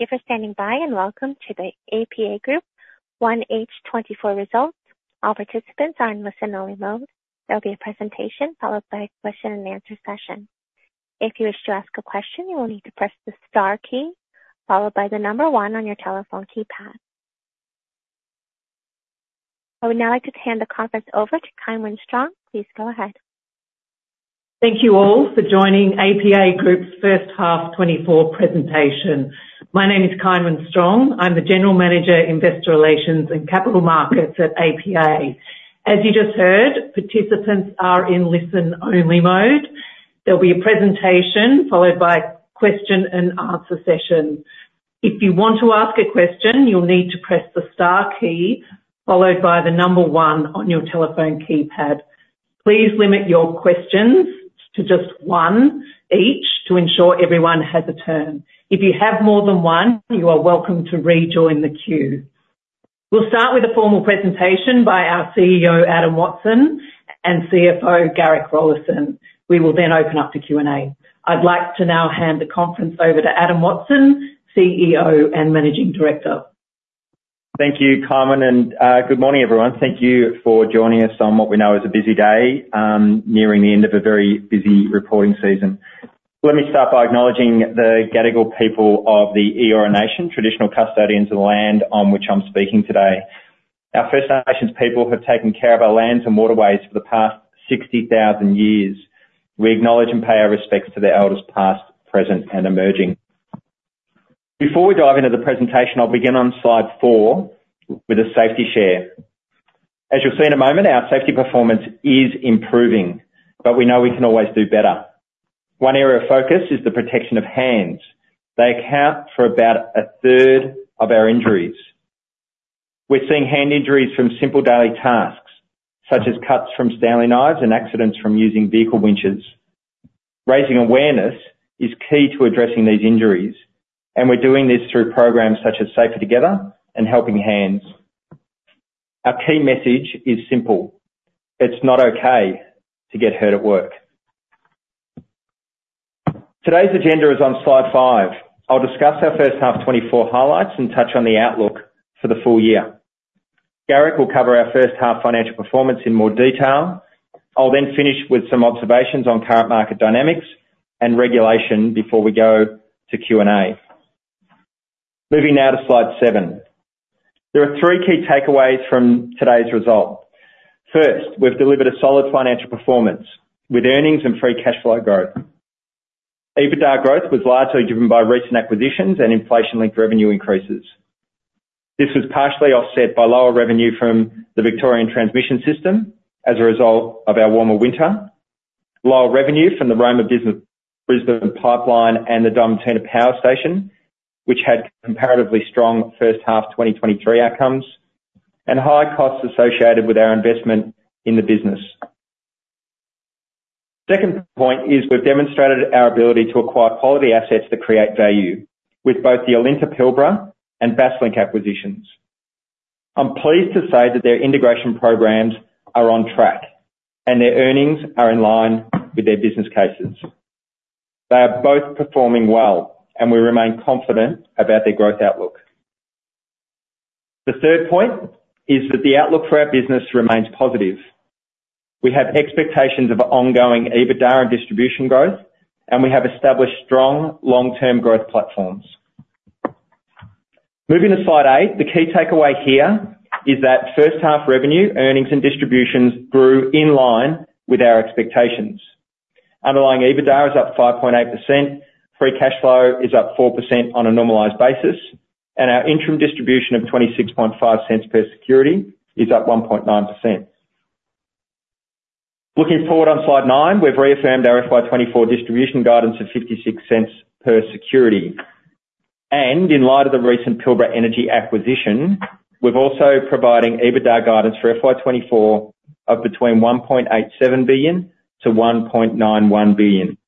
Thank you for standing by and welcome to the APA Group 1H24 results. All participants are in listen-only mode. There'll be a presentation followed by a question-and-answer session. If you wish to ask a question, you will need to press the star key followed by the number one on your telephone keypad. I would now like to hand the conference over to Kynwynn Strong. Please go ahead. Thank you all for joining APA Group's first half 2024 presentation. My name is Kynwynn Strong. I'm the General Manager, Investor Relations, and Capital Markets at APA. As you just heard, participants are in listen-only mode. There'll be a presentation followed by a question-and-answer session. If you want to ask a question, you'll need to press the star key followed by the number 1 on your telephone keypad. Please limit your questions to just one each to ensure everyone has a turn. If you have more than one, you are welcome to rejoin the queue. We'll start with a formal presentation by our CEO, Adam Watson, and CFO, Garrick Rollason. We will then open up to Q&A. I'd like to now hand the conference over to Adam Watson, CEO and Managing Director. Thank you, Carmen. And good morning, everyone. Thank you for joining us on what we know is a busy day nearing the end of a very busy reporting season. Let me start by acknowledging the Gadigal people of the Eora Nation, traditional custodians of the land on which I'm speaking today. Our First Nations people have taken care of our lands and waterways for the past 60,000 years. We acknowledge and pay our respects to their elders past, present, and emerging. Before we dive into the presentation, I'll begin on Slide 4 with a safety share. As you'll see in a moment, our safety performance is improving, but we know we can always do better. One area of focus is the protection of hands. They account for about a third of our injuries. We're seeing hand injuries from simple daily tasks such as cuts from Stanley knives and accidents from using vehicle winches. Raising awareness is key to addressing these injuries, and we're doing this through programs such as Safer Together and Helping Hands. Our key message is simple. It's not okay to get hurt at work. Today's agenda is on Slide 5. I'll discuss our first half 2024 highlights and touch on the outlook for the full year. Garrick will cover our first half financial performance in more detail. I'll then finish with some observations on current market dynamics and regulation before we go to Q&A. Moving now to Slide 7. There are three key takeaways from today's result. First, we've delivered a solid financial performance with earnings and free cash flow growth. EBITDA growth was largely driven by recent acquisitions and inflation-linked revenue increases. This was partially offset by lower revenue from the Victorian Transmission System as a result of our warmer winter, lower revenue from the Roma Brisbane Pipeline and the Diamantina Power Station, which had comparatively strong first half 2023 outcomes, and high costs associated with our investment in the business. Second point is we've demonstrated our ability to acquire quality assets that create value with both the Alinta Pilbara and Basslink acquisitions. I'm pleased to say that their integration programs are on track and their earnings are in line with their business cases. They are both performing well, and we remain confident about their growth outlook. The third point is that the outlook for our business remains positive. We have expectations of ongoing EBITDA and distribution growth, and we have established strong long-term growth platforms. Moving to Slide 8. The key takeaway here is that first half revenue, earnings, and distributions grew in line with our expectations. Underlying EBITDA is up 5.8%. Free cash flow is up 4% on a normalised basis, and our interim distribution of 0.265 per security is up 1.9%. Looking forward on Slide 9, we've reaffirmed our FY24 distribution guidance of 0.56 per security. In light of the recent Pilbara Energy acquisition, we're also providing EBITDA guidance for FY24 of 1.87 billion-1.91 billion.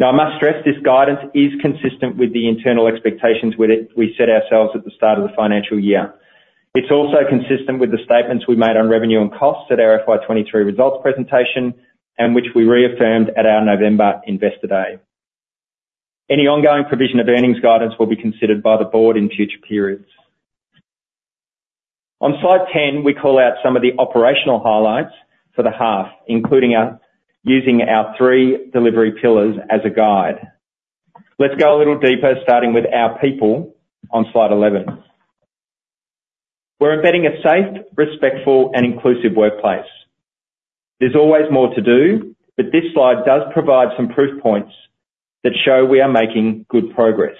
Now, I must stress this guidance is consistent with the internal expectations we set ourselves at the start of the financial year. It's also consistent with the statements we made on revenue and costs at our FY23 results presentation and which we reaffirmed at our November Investor Day. Any ongoing provision of earnings guidance will be considered by the board in future periods. On Slide 10, we call out some of the operational highlights for the half, including using our three delivery pillars as a guide. Let's go a little deeper, starting with our people on Slide 11. We're embedding a safe, respectful, and inclusive workplace. There's always more to do, but this slide does provide some proof points that show we are making good progress.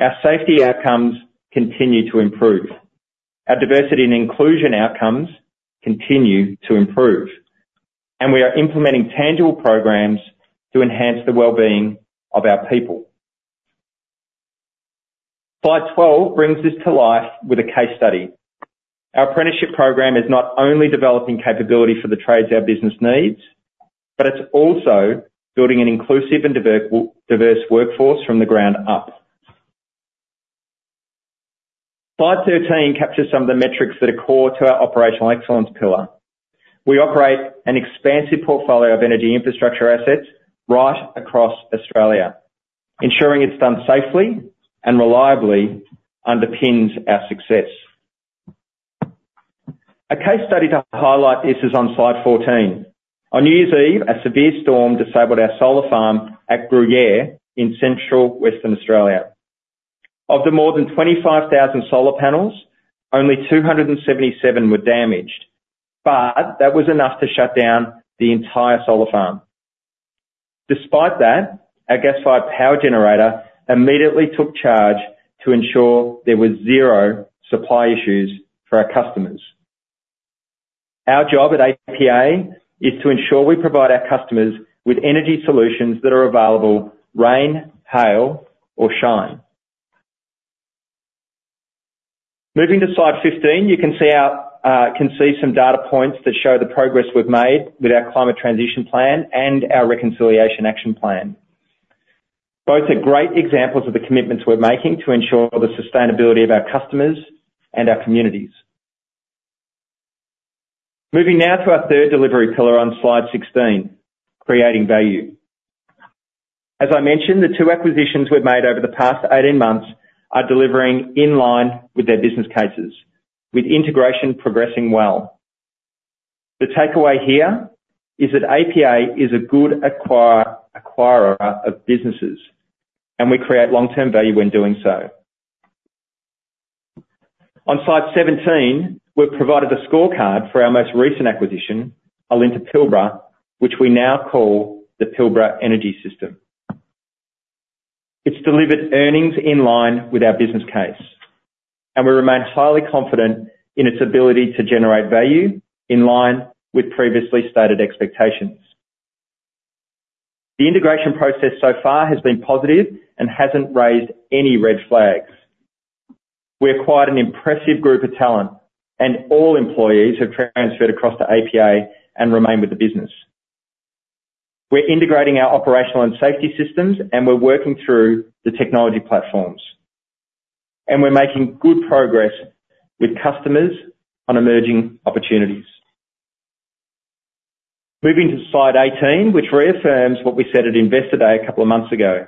Our safety outcomes continue to improve. Our diversity and inclusion outcomes continue to improve. We are implementing tangible programs to enhance the well-being of our people. Slide 12 brings this to life with a case study. Our apprenticeship program is not only developing capability for the trades our business needs, but it's also building an inclusive and diverse workforce from the ground up. Slide 13 captures some of the metrics that are core to our operational excellence pillar. We operate an expansive portfolio of energy infrastructure assets right across Australia. Ensuring it's done safely and reliably underpins our success. A case study to highlight this is on Slide 14. On New Year's Eve, a severe storm disabled our solar farm at Gruyere in central Western Australia. Of the more than 25,000 solar panels, only 277 were damaged, but that was enough to shut down the entire solar farm. Despite that, our gas-fired power generator immediately took charge to ensure there were zero supply issues for our customers. Our job at APA is to ensure we provide our customers with energy solutions that are available rain, hail, or shine. Moving to Slide 15, you can see some data points that show the progress we've made with our climate transition plan and our reconciliation action plan. Both are great examples of the commitments we're making to ensure the sustainability of our customers and our communities. Moving now to our third delivery pillar on Slide 16, creating value. As I mentioned, the two acquisitions we've made over the past 18 months are delivering in line with their business cases, with integration progressing well. The takeaway here is that APA is a good acquirer of businesses, and we create long-term value when doing so. On Slide 17, we're provided a scorecard for our most recent acquisition, Alinta Pilbara, which we now call the Pilbara Energy System. It's delivered earnings in line with our business case, and we remain highly confident in its ability to generate value in line with previously stated expectations. The integration process so far has been positive and hasn't raised any red flags. We acquired an impressive group of talent, and all employees have transferred across to APA and remained with the business. We're integrating our operational and safety systems, and we're working through the technology platforms. We're making good progress with customers on emerging opportunities. Moving to Slide 18, which reaffirms what we said at Investor Day a couple of months ago.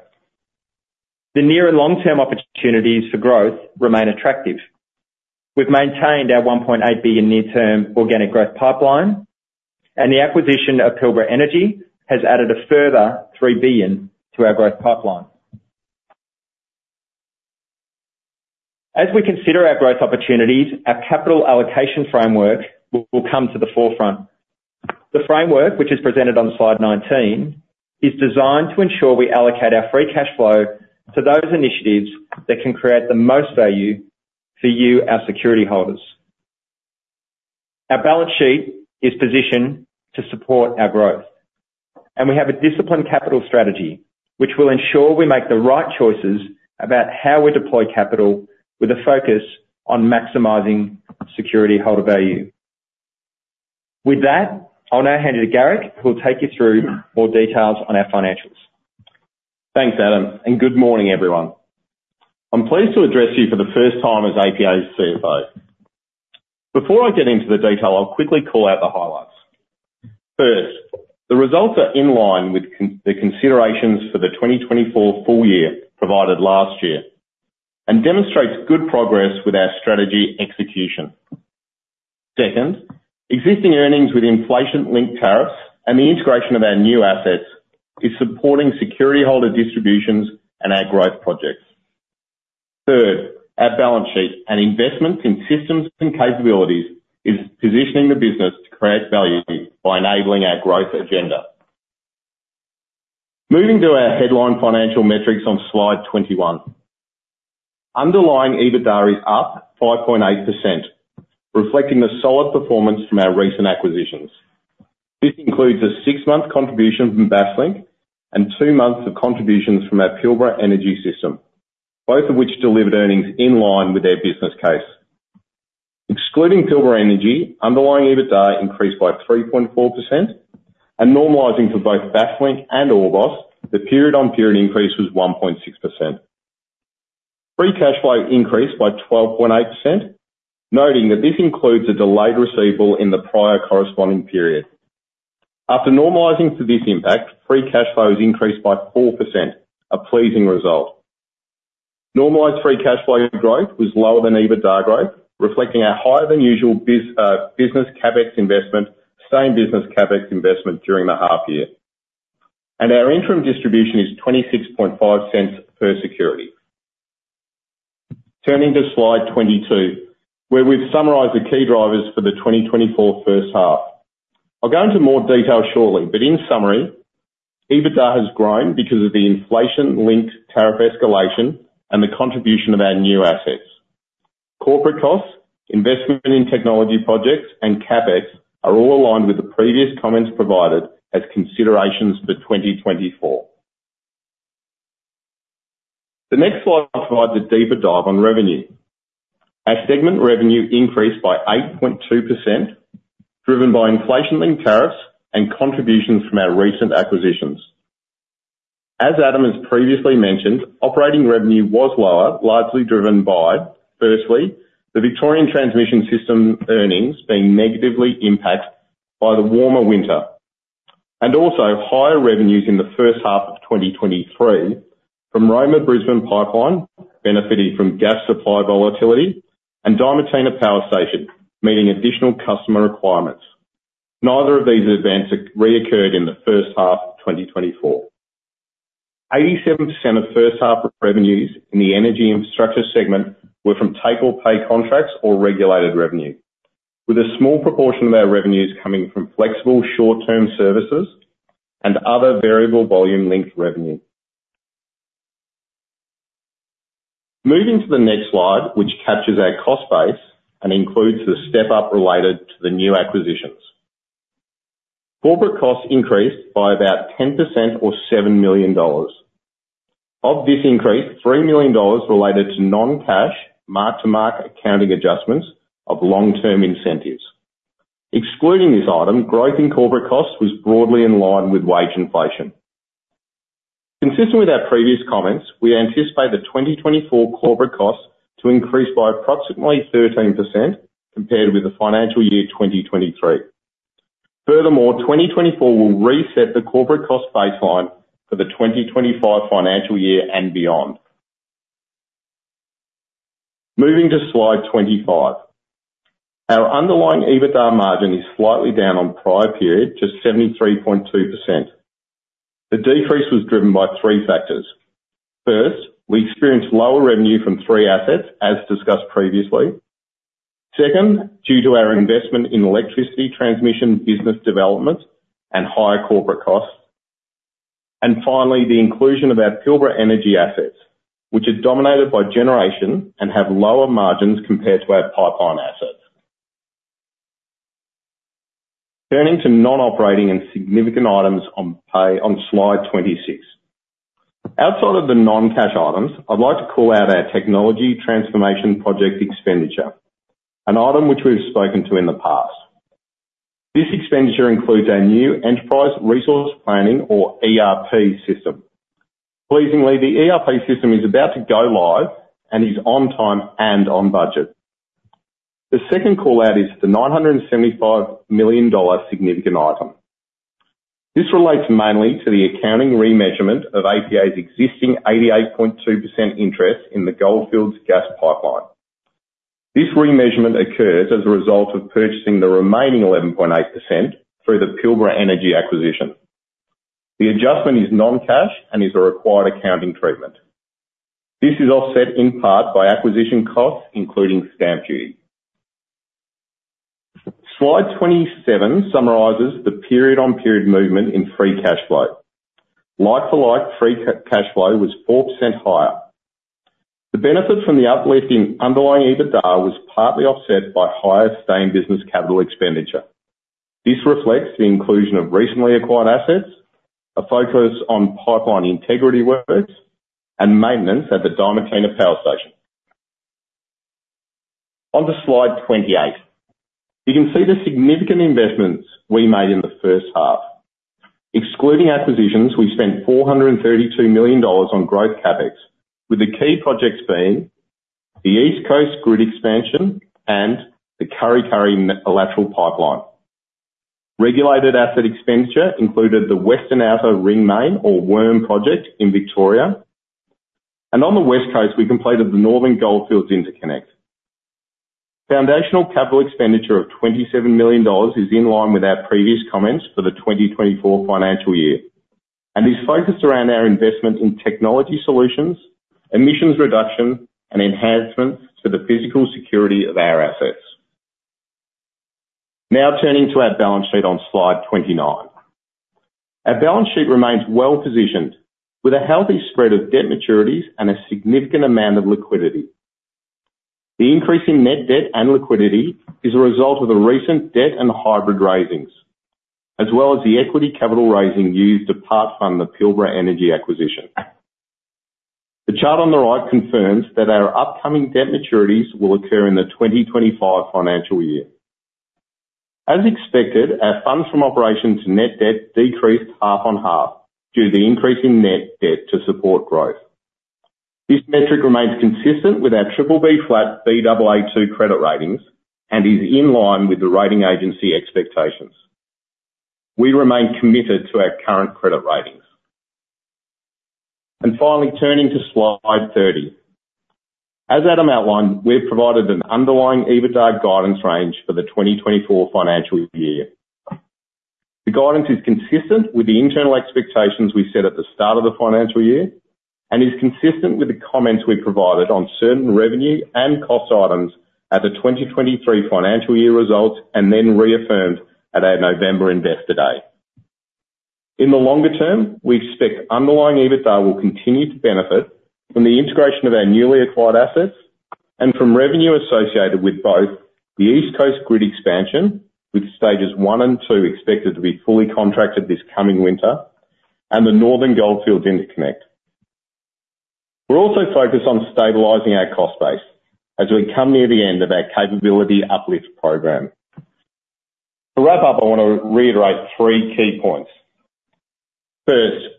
The near and long-term opportunities for growth remain attractive. We've maintained our 1.8 billion near-term organic growth pipeline, and the acquisition of Pilbara Energy has added a further 3 billion to our growth pipeline. As we consider our growth opportunities, our capital allocation framework will come to the forefront. The framework, which is presented on Slide 19, is designed to ensure we allocate our free cash flow to those initiatives that can create the most value for you, our security holders. Our balance sheet is positioned to support our growth. We have a disciplined capital strategy, which will ensure we make the right choices about how we deploy capital with a focus on maximizing security holder value. With that, I'll now hand it to Garrick, who'll take you through more details on our financials. Thanks, Adam. Good morning, everyone. I'm pleased to address you for the first time as APA's CFO. Before I get into the detail, I'll quickly call out the highlights. First, the results are in line with the considerations for the 2024 full year provided last year and demonstrate good progress with our strategy execution. Second, existing earnings with inflation-linked tariffs and the integration of our new assets is supporting security holder distributions and our growth projects. Third, our balance sheet and investments in systems and capabilities is positioning the business to create value by enabling our growth agenda. Moving to our headline financial metrics on Slide 21. Underlying EBITDA is up 5.8%, reflecting the solid performance from our recent acquisitions. This includes a 6-month contribution from Basslink and 2 months of contributions from our Pilbara Energy System, both of which delivered earnings in line with their business case. Excluding Pilbara Energy, underlying EBITDA increased by 3.4%. Normalising for both Basslink and Orbost, the period-on-period increase was 1.6%. Free cash flow increased by 12.8%, noting that this includes a delayed receivable in the prior corresponding period. After normalising for this impact, free cash flow has increased by 4%, a pleasing result. Normalised free cash flow growth was lower than EBITDA growth, reflecting a higher-than-usual business CapEx investment, same business CapEx investment during the half-year. Our interim distribution is 0.265 per security. Turning to Slide 22, where we've summarised the key drivers for the 2024 first half. I'll go into more detail shortly, but in summary, EBITDA has grown because of the inflation-linked tariff escalation and the contribution of our new assets. Corporate costs, investment in technology projects, and CapEx are all aligned with the previous comments provided as considerations for 2024. The next slide will provide a deeper dive on revenue. Our segment revenue increased by 8.2%, driven by inflation-linked tariffs and contributions from our recent acquisitions. As Adam has previously mentioned, operating revenue was lower, largely driven by, firstly, the Victorian Transmission System earnings being negatively impacted by the warmer winter and also higher revenues in the first half of 2023 from Roma Brisbane Pipeline, benefitting from gas supply volatility, and Diamantina Power Station, meeting additional customer requirements. Neither of these advances reoccurred in the first half of 2024. 87% of first-half revenues in the energy infrastructure segment were from take-or-pay contracts or regulated revenue, with a small proportion of our revenues coming from flexible short-term services and other variable volume-linked revenue. Moving to the next slide, which captures our cost base and includes the step-up related to the new acquisitions. Corporate costs increased by about 10% or 7 million dollars. Of this increase, 3 million dollars related to non-cash, mark-to-market accounting adjustments of long-term incentives. Excluding this item, growth in corporate costs was broadly in line with wage inflation. Consistent with our previous comments, we anticipate the 2024 corporate costs to increase by approximately 13% compared with the financial year 2023. Furthermore, 2024 will reset the corporate cost baseline for the 2025 financial year and beyond. Moving to Slide 25. Our underlying EBITDA margin is slightly down on prior period, just 73.2%. The decrease was driven by three factors. First, we experienced lower revenue from three assets, as discussed previously. Second, due to our investment in electricity transmission business development and higher corporate costs. And finally, the inclusion of our Pilbara Energy assets, which are dominated by generation and have lower margins compared to our pipeline assets. Turning to non-operating and significant items on Slide 26. Outside of the non-cash items, I'd like to call out our technology transformation project expenditure, an item which we've spoken to in the past. This expenditure includes our new enterprise resource planning, or ERP, system. Pleasingly, the ERP system is about to go live and is on time and on budget. The second callout is the 975 million dollar significant item. This relates mainly to the accounting remeasurement of APA's existing 88.2% interest in the Goldfields Gas Pipeline. This remeasurement occurs as a result of purchasing the remaining 11.8% through the Pilbara Energy acquisition. The adjustment is non-cash and is a required accounting treatment. This is offset in part by acquisition costs, including stamp duty. Slide 27 summarizes the period-on-period movement in free cash flow. Like for like, free cash flow was 4% higher. The benefit from the uplift in underlying EBITDA was partly offset by higher sustained business capital expenditure. This reflects the inclusion of recently acquired assets, a focus on pipeline integrity works, and maintenance at the Diamantina Power Station. Onto Slide 28. You can see the significant investments we made in the first half. Excluding acquisitions, we spent 432 million dollars on growth CAPEX, with the key projects being the East Coast Grid expansion and the Kurri Kurri Lateral Pipeline. Regulated asset expenditure included the Western Outer Ring Main, or WORM, project in Victoria. On the West Coast, we completed the Northern Goldfields Interconnect. Foundational capital expenditure of 27 million dollars is in line with our previous comments for the 2024 financial year and is focused around our investment in technology solutions, emissions reduction, and enhancements to the physical security of our assets. Now turning to our balance sheet on Slide 29. Our balance sheet remains well-positioned, with a healthy spread of debt maturities and a significant amount of liquidity. The increase in net debt and liquidity is a result of the recent debt and hybrid raisings, as well as the equity capital raising used to part-fund the Pilbara Energy acquisition. The chart on the right confirms that our upcoming debt maturities will occur in the 2025 financial year. As expected, our funds from operations to net debt decreased half-on-half due to the increase in net debt to support growth. This metric remains consistent with our BBB flat Baa2 credit ratings and is in line with the rating agency expectations. We remain committed to our current credit ratings. Finally, turning to Slide 30. As Adam outlined, we've provided an underlying EBITDA guidance range for the 2024 financial year. The guidance is consistent with the internal expectations we set at the start of the financial year and is consistent with the comments we provided on certain revenue and cost items at the 2023 financial year results and then reaffirmed at our November Investor Day. In the longer term, we expect underlying EBITDA will continue to benefit from the integration of our newly acquired assets and from revenue associated with both the East Coast Grid expansion, with stages one and two expected to be fully contracted this coming winter, and the Northern Goldfields Interconnect. We're also focused on stabilizing our cost base as we come near the end of our capability uplift program. To wrap up, I want to reiterate three key points. First,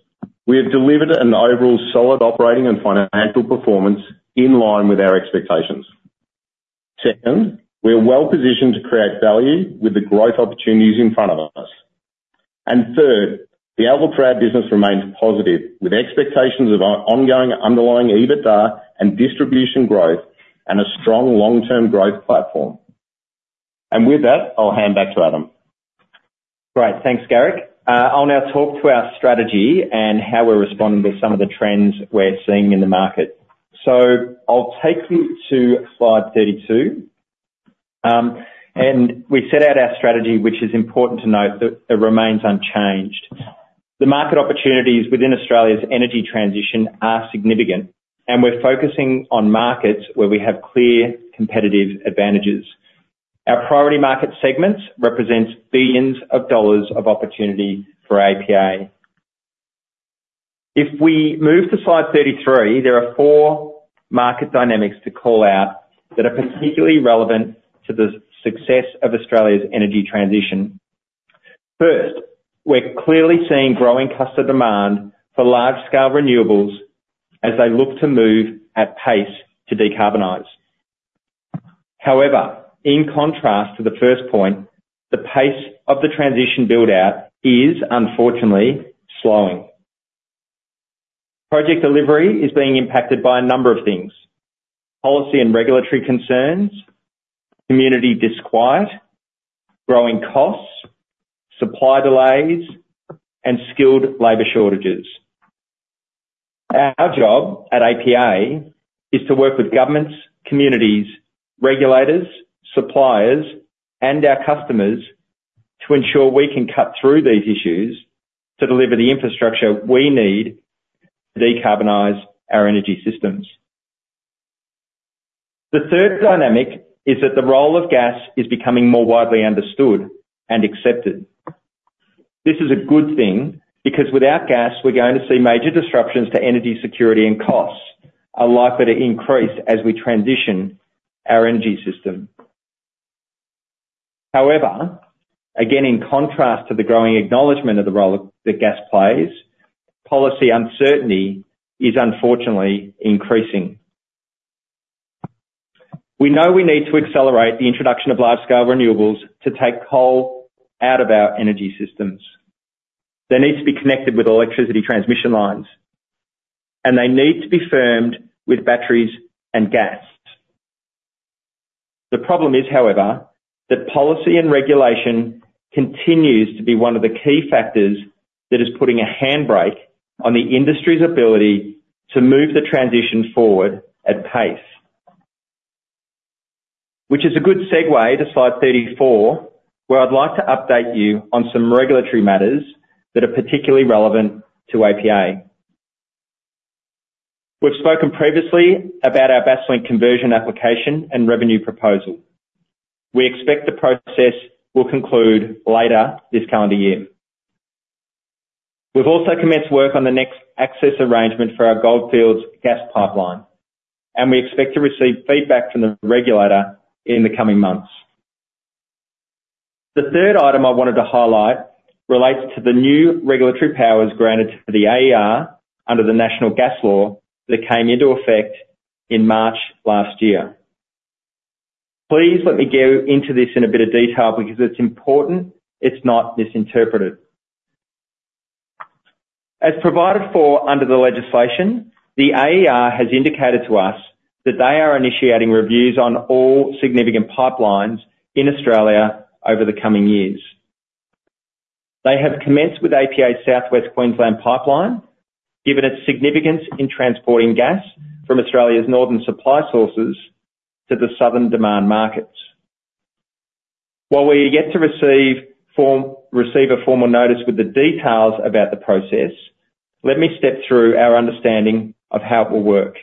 we have delivered an overall solid operating and financial performance in line with our expectations. Second, we're well-positioned to create value with the growth opportunities in front of us. And third, the outlook for our business remains positive, with expectations of ongoing underlying EBITDA and distribution growth and a strong long-term growth platform. And with that, I'll hand back to Adam. Great. Thanks, Garrick. I'll now talk to our strategy and how we're responding to some of the trends we're seeing in the market. I'll take you to Slide 32. We set out our strategy, which is important to note that it remains unchanged. The market opportunities within Australia's energy transition are significant, and we're focusing on markets where we have clear competitive advantages. Our priority market segments represent billions dollars of opportunity for APA. If we move to Slide 33, there are four market dynamics to call out that are particularly relevant to the success of Australia's energy transition. First, we're clearly seeing growing customer demand for large-scale renewables as they look to move at pace to decarbonize. However, in contrast to the first point, the pace of the transition build-out is, unfortunately, slowing. Project delivery is being impacted by a number of things: policy and regulatory concerns, community disquiet, growing costs, supply delays, and skilled labor shortages. Our job at APA is to work with governments, communities, regulators, suppliers, and our customers to ensure we can cut through these issues to deliver the infrastructure we need to decarbonize our energy systems. The third dynamic is that the role of gas is becoming more widely understood and accepted. This is a good thing because without gas, we're going to see major disruptions to energy security and costs are likely to increase as we transition our energy system. However, again, in contrast to the growing acknowledgment of the role that gas plays, policy uncertainty is, unfortunately, increasing. We know we need to accelerate the introduction of large-scale renewables to take coal out of our energy systems. They need to be connected with electricity transmission lines, and they need to be firmed with batteries and gas. The problem is, however, that policy and regulation continues to be one of the key factors that is putting a handbrake on the industry's ability to move the transition forward at pace, which is a good segue to Slide 34, where I'd like to update you on some regulatory matters that are particularly relevant to APA. We've spoken previously about our Basslink conversion application and revenue proposal. We expect the process will conclude later this calendar year. We've also commenced work on the next access arrangement for our Goldfields Gas Pipeline, and we expect to receive feedback from the regulator in the coming months. The third item I wanted to highlight relates to the new regulatory powers granted to the AER under the National Gas Law that came into effect in March last year. Please let me go into this in a bit of detail because it's important it's not misinterpreted. As provided for under the legislation, the AER has indicated to us that they are initiating reviews on all significant pipelines in Australia over the coming years. They have commenced with APA's South West Queensland Pipeline, given its significance in transporting gas from Australia's northern supply sources to the southern demand markets. While we have yet to receive a formal notice with the details about the process, let me step through our understanding of how it will work.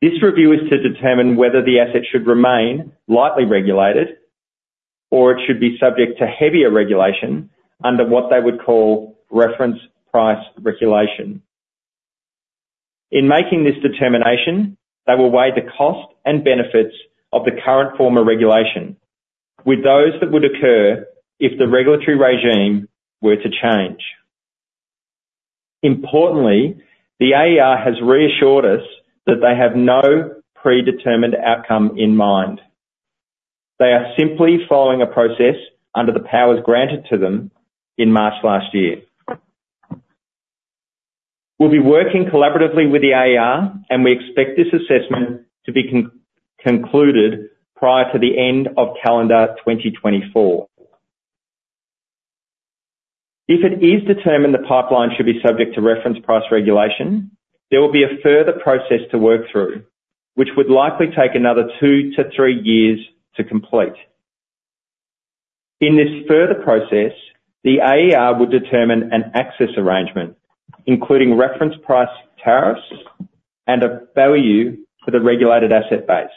This review is to determine whether the asset should remain lightly regulated or it should be subject to heavier regulation under what they would call Reference Price Regulation. In making this determination, they will weigh the cost and benefits of the current form of regulation with those that would occur if the regulatory regime were to change. Importantly, the AER has reassured us that they have no predetermined outcome in mind. They are simply following a process under the powers granted to them in March last year. We'll be working collaboratively with the AER, and we expect this assessment to be concluded prior to the end of calendar 2024. If it is determined the pipeline should be subject to Reference Price Regulation, there will be a further process to work through, which would likely take anothertwo to three years to complete. In this further process, the AER would determine an access arrangement, including reference price tariffs and a value for the regulated asset base.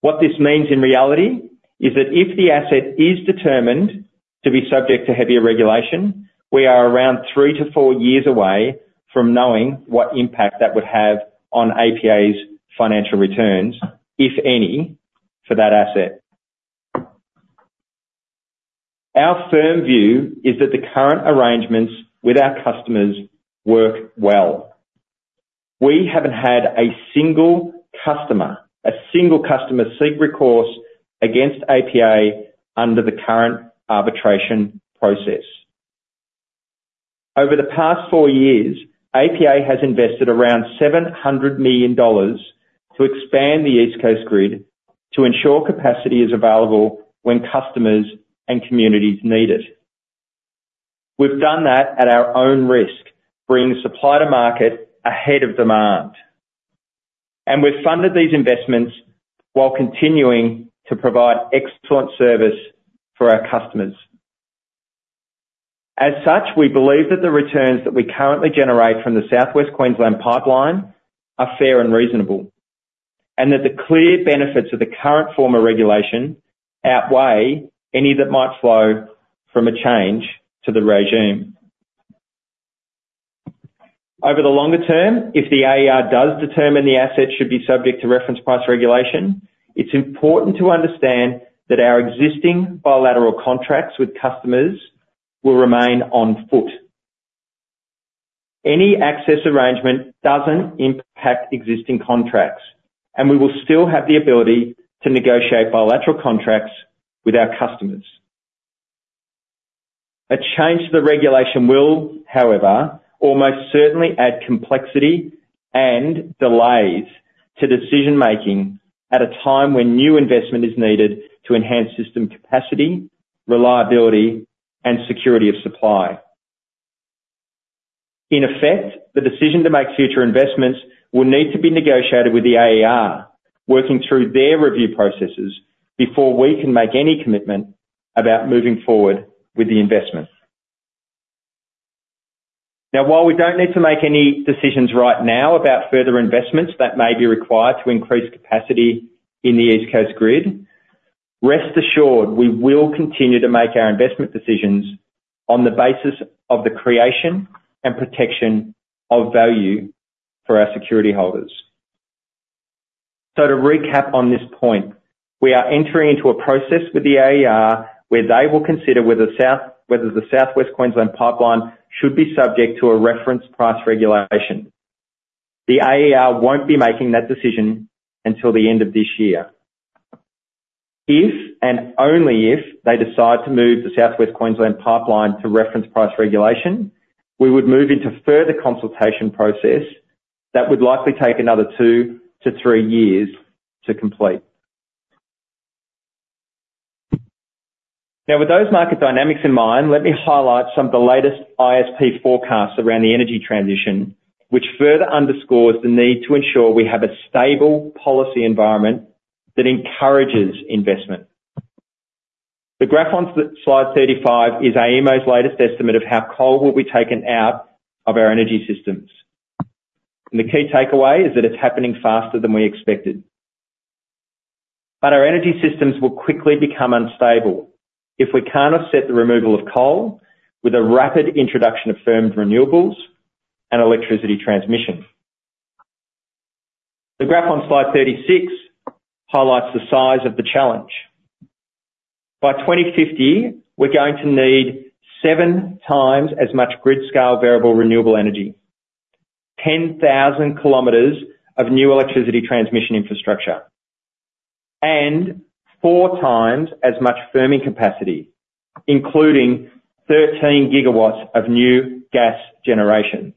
What this means in reality is that if the asset is determined to be subject to heavier regulation, we are around three to four years away from knowing what impact that would have on APA's financial returns, if any, for that asset. Our firm view is that the current arrangements with our customers work well. We haven't had a single customer seek recourse against APA under the current arbitration process. Over the past four years, APA has invested around 700 million dollars to expand the East Coast Grid to ensure capacity is available when customers and communities need it. We've done that at our own risk, bringing supply to market ahead of demand. We've funded these investments while continuing to provide excellent service for our customers. As such, we believe that the returns that we currently generate from the South West Queensland Pipeline are fair and reasonable and that the clear benefits of the current form of regulation outweigh any that might flow from a change to the regime. Over the longer term, if the AER does determine the asset should be subject to Reference Price Regulation, it's important to understand that our existing bilateral contracts with customers will remain on foot. Any access arrangement doesn't impact existing contracts, and we will still have the ability to negotiate bilateral contracts with our customers. A change to the regulation will, however, almost certainly add complexity and delays to decision-making at a time when new investment is needed to enhance system capacity, reliability, and security of supply. In effect, the decision to make future investments will need to be negotiated with the AER, working through their review processes before we can make any commitment about moving forward with the investment. Now, while we don't need to make any decisions right now about further investments that may be required to increase capacity in the East Coast Grid, rest assured we will continue to make our investment decisions on the basis of the creation and protection of value for our security holders. So to recap on this point, we are entering into a process with the AER where they will consider whether the South West Queensland Pipeline should be subject to a Reference Price Regulation. The AER won't be making that decision until the end of this year. If and only if they decide to move the South West Queensland Pipeline to Reference Price Regulation, we would move into a further consultation process that would likely take another two to three years to complete. Now, with those market dynamics in mind, let me highlight some of the latest ISP forecasts around the energy transition, which further underscores the need to ensure we have a stable policy environment that encourages investment. The graph on slide 35 is AEMO's latest estimate of how coal will be taken out of our energy systems. The key takeaway is that it's happening faster than we expected. Our energy systems will quickly become unstable if we can't offset the removal of coal with a rapid introduction of firmed renewables and electricity transmission. The graph on Slide 36 highlights the size of the challenge. By 2050, we're going to need seven times as much grid-scale variable renewable energy, 10,000 kilometers of new electricity transmission infrastructure, and 4 times as much firming capacity, including 13 gigawatts of new gas generation.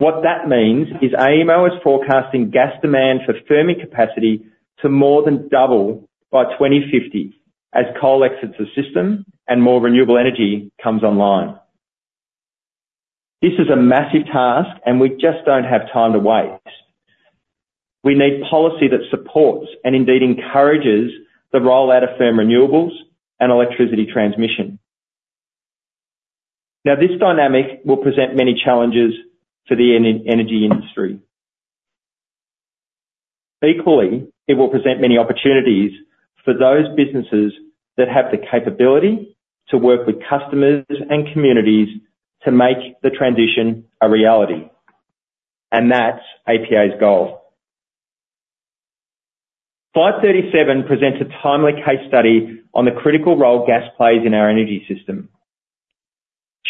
What that means is AEMO is forecasting gas demand for firming capacity to more than double by 2050 as coal exits the system and more renewable energy comes online. This is a massive task, and we just don't have time to waste. We need policy that supports and indeed encourages the rollout of firm renewables and electricity transmission. Now, this dynamic will present many challenges for the energy industry. Equally, it will present many opportunities for those businesses that have the capability to work with customers and communities to make the transition a reality. And that's APA's goal. Slide 37 presents a timely case study on the critical role gas plays in our energy system.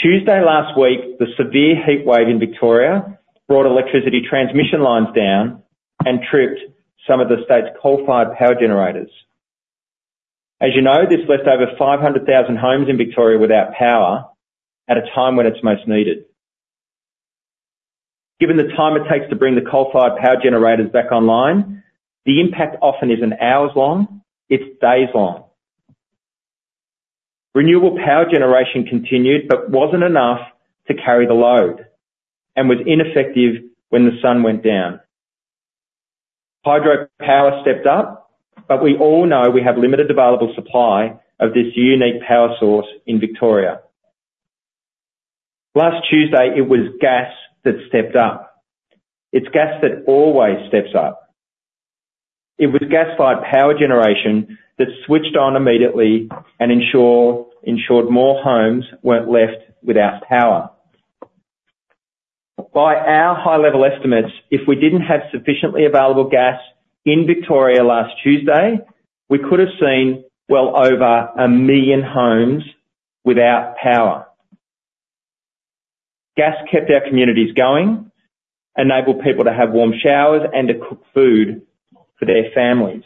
Tuesday last week, the severe heatwave in Victoria brought electricity transmission lines down and tripped some of the state's coal-fired power generators. As you know, this left over 500,000 homes in Victoria without power at a time when it's most needed. Given the time it takes to bring the coal-fired power generators back online, the impact often isn't hours long. It's days long. Renewable power generation continued but wasn't enough to carry the load and was ineffective when the sun went down. Hydropower stepped up, but we all know we have limited available supply of this unique power source in Victoria. Last Tuesday, it was gas that stepped up. It's gas that always steps up. It was gas-fired power generation that switched on immediately and ensured more homes weren't left without power. By our high-level estimates, if we didn't have sufficiently available gas in Victoria last Tuesday, we could have seen well over 1 million homes without power. Gas kept our communities going, enabled people to have warm showers, and to cook food for their families.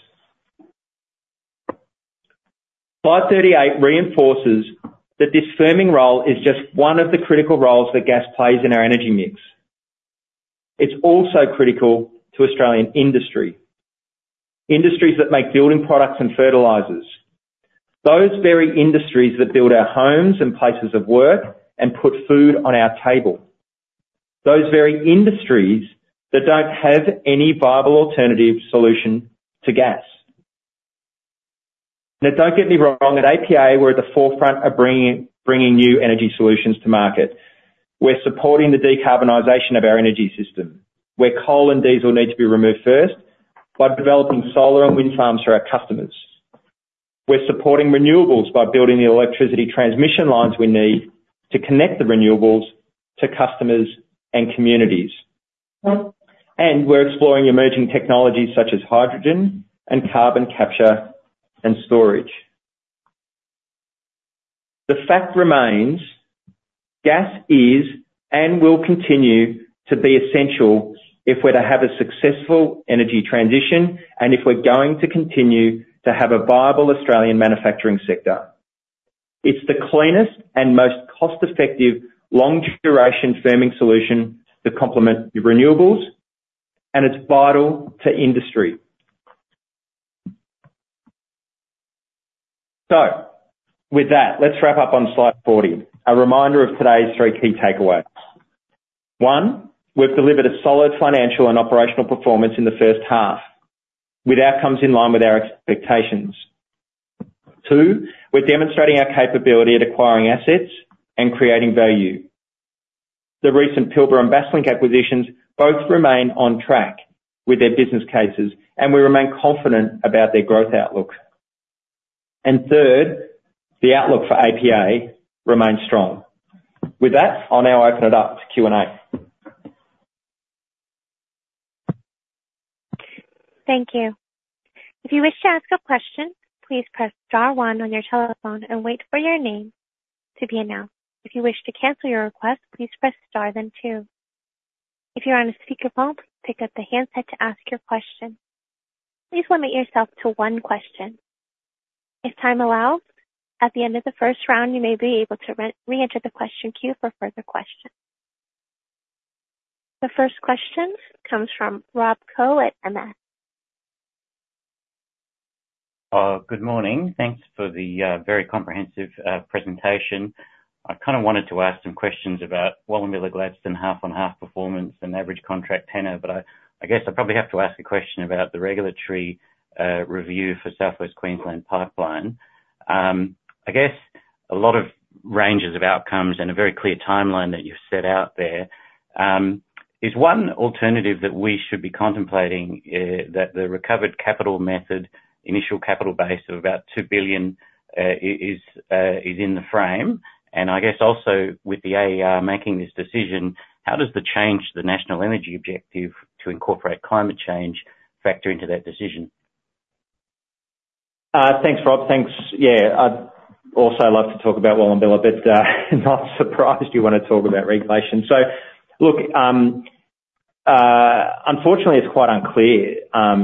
Slide 38 reinforces that this firming role is just one of the critical roles that gas plays in our energy mix. It's also critical to Australian industry, industries that make building products and fertilizers. Those very industries that build our homes and places of work and put food on our table. Those very industries that don't have any viable alternative solution to gas. Now, don't get me wrong. At APA, we're at the forefront of bringing new energy solutions to market. We're supporting the decarbonization of our energy system. Where coal and diesel need to be removed first by developing solar and wind farms for our customers. We're supporting renewables by building the electricity transmission lines we need to connect the renewables to customers and communities. And we're exploring emerging technologies such as hydrogen and carbon capture and storage. The fact remains gas is and will continue to be essential if we're to have a successful energy transition and if we're going to continue to have a viable Australian manufacturing sector. It's the cleanest and most cost-effective long-duration firming solution to complement renewables, and it's vital to industry. So with that, let's wrap up on Slide 40, a reminder of today's three key takeaways. One, we've delivered a solid financial and operational performance in the first half with outcomes in line with our expectations. Two, we're demonstrating our capability at acquiring assets and creating value. The recent Pilbara and Basslink acquisitions both remain on track with their business cases, and we remain confident about their growth outlook. And third, the outlook for APA remains strong. With that, I'll now open it up to Q&A. Thank you. If you wish to ask a question, please press star one on your telephone and wait for your name to be announced. If you wish to cancel your request, please press star then two. If you're on a speakerphone, please pick up the handset to ask your question. Please limit yourself to one question. If time allows, at the end of the first round, you may be able to re-enter the question queue for further questions. The first question comes from Rob Koh at MS. Good morning. Thanks for the very comprehensive presentation. I kind of wanted to ask some questions about Wallumbilla Gladstone half-on-half performance and average contract tenure, but I guess I probably have to ask a question about the regulatory review for South West Queensland Pipeline. I guess a lot of ranges of outcomes and a very clear timeline that you've set out there. Is one alternative that we should be contemplating that the recovered capital method, initial capital base of about 2 billion, is in the frame? And I guess also with the AER making this decision, how does the change to the national energy objective to incorporate climate change factor into that decision? Thanks, Rob. Yeah. I'd also love to talk about Wallumbilla, but not surprised you want to talk about regulation. So look, unfortunately, it's quite unclear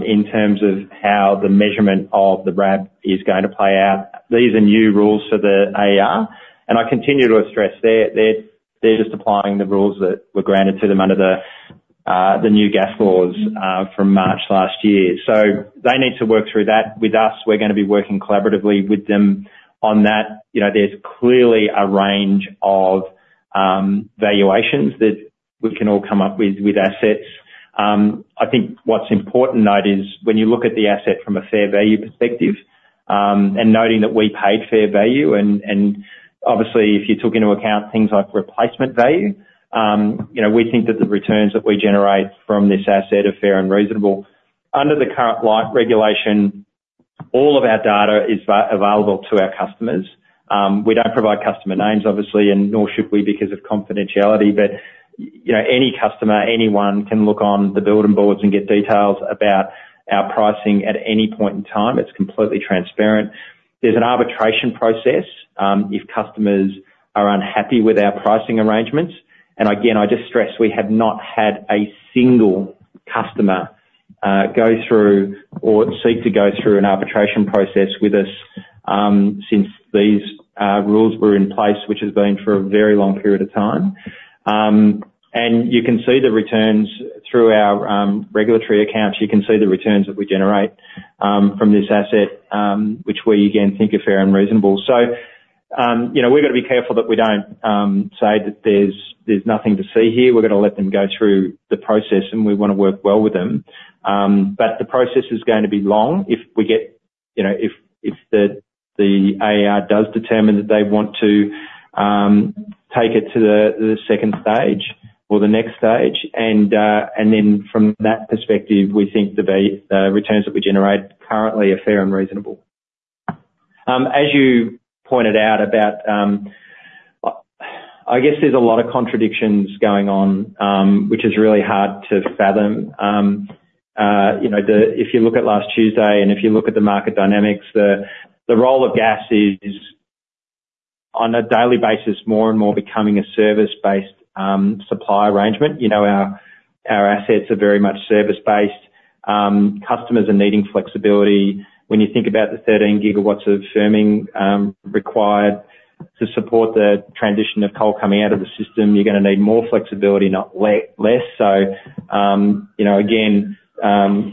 in terms of how the measurement of the RAB is going to play out. These are new rules for the AER, and I continue to stress they're just applying the rules that were granted to them under the new gas laws from March last year. So they need to work through that with us. We're going to be working collaboratively with them on that. There's clearly a range of valuations that we can all come up with with assets. I think what's important to note is when you look at the asset from a fair value perspective and noting that we paid fair value, and obviously, if you took into account things like replacement value, we think that the returns that we generate from this asset are fair and reasonable. Under the current regulation, all of our data is available to our customers. We don't provide customer names, obviously, and nor should we because of confidentiality. But any customer, anyone, can look on the building boards and get details about our pricing at any point in time. It's completely transparent. There's an arbitration process if customers are unhappy with our pricing arrangements. Again, I just stress we have not had a single customer go through or seek to go through an arbitration process with us since these rules were in place, which has been for a very long period of time. You can see the returns through our regulatory accounts. You can see the returns that we generate from this asset, which we, again, think are fair and reasonable. So we've got to be careful that we don't say that there's nothing to see here. We've got to let them go through the process, and we want to work well with them. But the process is going to be long if the AER does determine that they want to take it to the second stage or the next stage, and then from that perspective, we think the returns that we generate currently are fair and reasonable. As you pointed out about, I guess there's a lot of contradictions going on, which is really hard to fathom. If you look at last Tuesday and if you look at the market dynamics, the role of gas is on a daily basis more and more becoming a service-based supply arrangement. Our assets are very much service-based. Customers are needing flexibility. When you think about the 13 GW of firming required to support the transition of coal coming out of the system, you're going to need more flexibility, not less. So again,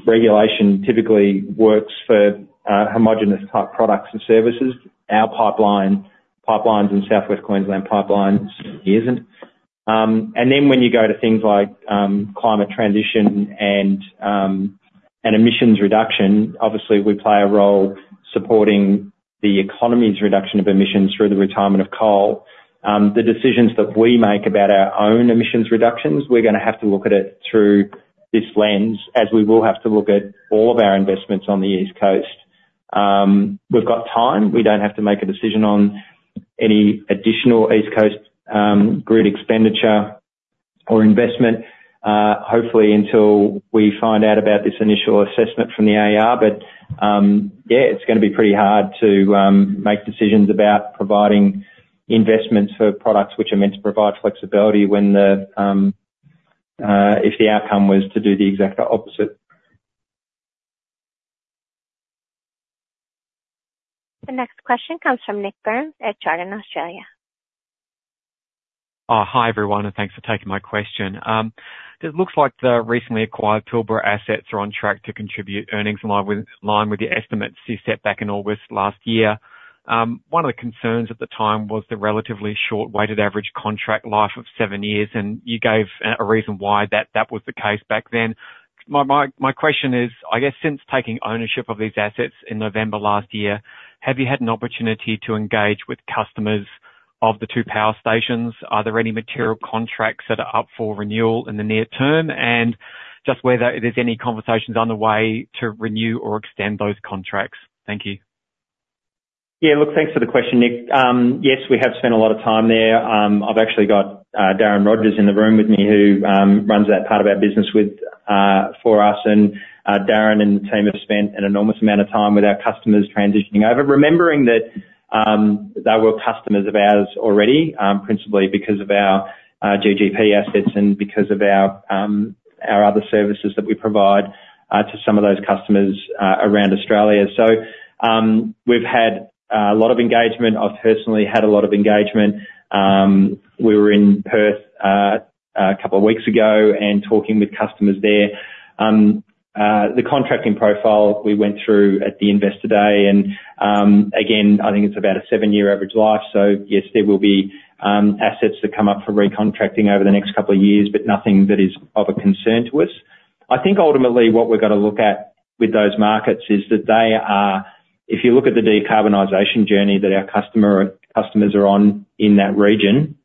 regulation typically works for homogeneous-type products and services. Our pipelines and South West Queensland pipelines isn't. And then when you go to things like climate transition and emissions reduction, obviously, we play a role supporting the economy's reduction of emissions through the retirement of coal. The decisions that we make about our own emissions reductions, we're going to have to look at it through this lens as we will have to look at all of our investments on the East Coast. We've got time. We don't have to make a decision on any additional East Coast grid expenditure or investment, hopefully, until we find out about this initial assessment from the AER. But yeah, it's going to be pretty hard to make decisions about providing investments for products which are meant to provide flexibility if the outcome was to do the exact opposite. The next question comes from Nick Burns at Jarden Australia Hi, everyone, and thanks for taking my question. It looks like the recently acquired Pilbara assets are on track to contribute earnings in line with the estimates you set back in August last year. One of the concerns at the time was the relatively short weighted average contract life of seven years, and you gave a reason why that was the case back then. My question is, I guess since taking ownership of these assets in November last year, have you had an opportunity to engage with customers of the two power stations? Are there any material contracts that are up for renewal in the near term? And just whether there's any conversations underway to renew or extend those contracts? Thank you. Yeah. Look, thanks for the question, Nick. Yes, we have spent a lot of time there. I've actually got Darren Rogers in the room with me who runs that part of our business for us. And Darren and the team have spent an enormous amount of time with our customers transitioning over, remembering that they were customers of ours already, principally because of our GGP assets and because of our other services that we provide to some of those customers around Australia. So we've had a lot of engagement. I've personally had a lot of engagement. We were in Perth a couple of weeks ago and talking with customers there. The contracting profile we went through at the investor day, and again, I think it's about a seven-year average life. So yes, there will be assets that come up for recontracting over the next couple of years, but nothing that is of a concern to us. I think ultimately what we've got to look at with those markets is that they are, if you look at the decarbonization journey that our customers are on in that region,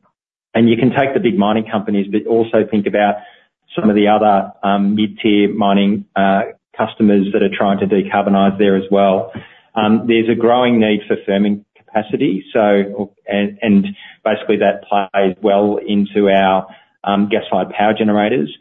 and you can take the big mining companies, but also think about some of the other mid-tier mining customers that are trying to decarbonize there as well. There's a growing need for firming capacity, and basically, that plays well into our gas-fired power generators.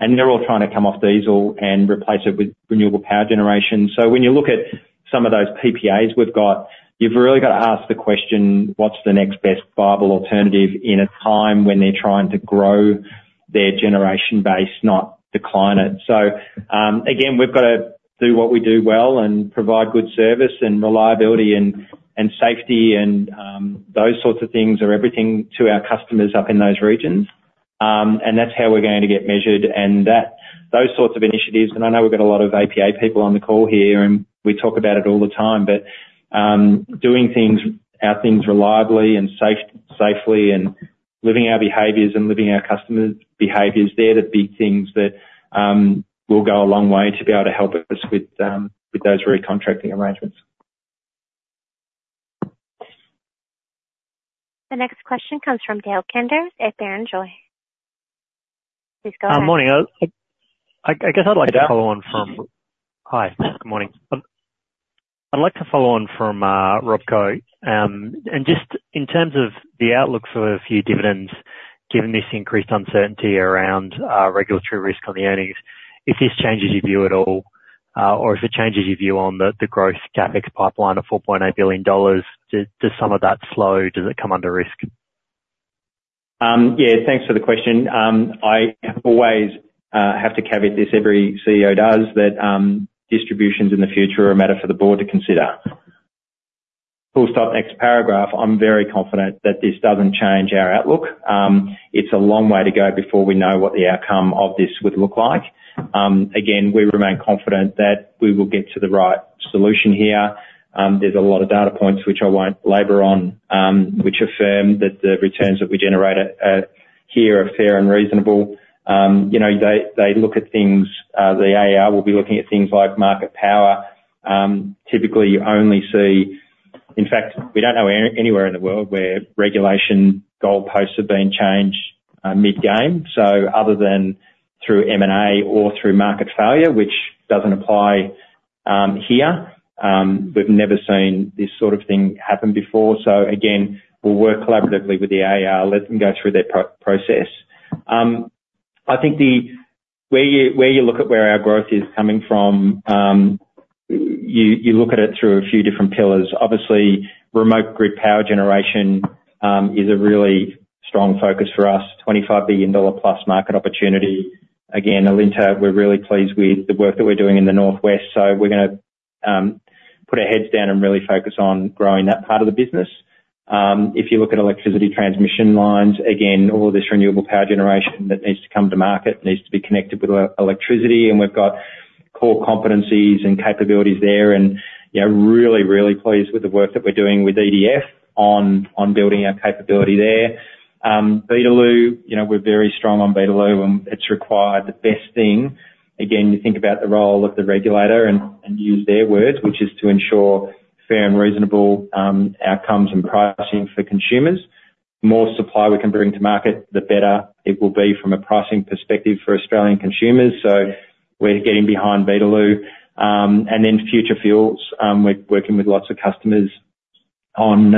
And they're all trying to come off diesel and replace it with renewable power generation. So when you look at some of those PPAs we've got, you've really got to ask the question, "What's the next best viable alternative in a time when they're trying to grow their generation base, not decline it?" So again, we've got to do what we do well and provide good service and reliability and safety and those sorts of things are everything to our customers up in those regions. And that's how we're going to get measured and those sorts of initiatives. And I know we've got a lot of APA people on the call here, and we talk about it all the time. But doing our things reliably and safely and living our behaviors and living our customers' behaviors there are the big things that will go a long way to be able to help us with those recontracting arrangements. The next question comes from Dale Koenders at Barrenjoey. Please go ahead. Good afternoon. I guess I'd like to follow on from Rob Koh. Just in terms of the outlook for a few dividends, given this increased uncertainty around regulatory risk on the earnings, if this changes your view at all or if it changes your view on the growth CapEx pipeline of 4.8 billion dollars, does some of that slow? Does it come under risk? Yeah. Thanks for the question. I always have to caveat this, every CEO does, that distributions in the future are a matter for the board to consider. Next paragraph. I'm very confident that this doesn't change our outlook. It's a long way to go before we know what the outcome of this would look like. Again, we remain confident that we will get to the right solution here. There's a lot of data points which I won't labor on which affirm that the returns that we generate here are fair and reasonable. They look at things the AER will be looking at things like market power. Typically, you only see in fact, we don't know anywhere in the world where regulation goalposts have been changed mid-game. So other than through M&A or through market failure, which doesn't apply here, we've never seen this sort of thing happen before. So again, we'll work collaboratively with the AER. Let them go through their process. I think where you look at where our growth is coming from, you look at it through a few different pillars. Obviously, remote grid power generation is a really strong focus for us, 25 billion dollar-plus market opportunity. Again, Alinta, we're really pleased with the work that we're doing in the Northwest. So we're going to put our heads down and really focus on growing that part of the business. If you look at electricity transmission lines, again, all of this renewable power generation that needs to come to market needs to be connected with electricity. And we've got core competencies and capabilities there and really, really pleased with the work that we're doing with EDF on building our capability there. Beetaloo, we're very strong on Beetaloo, and it's required the best thing. Again, you think about the role of the regulator and use their words, which is to ensure fair and reasonable outcomes and pricing for consumers. The more supply we can bring to market, the better it will be from a pricing perspective for Australian consumers. So we're getting behind Beetaloo. And then Future Fuels, we're working with lots of customers on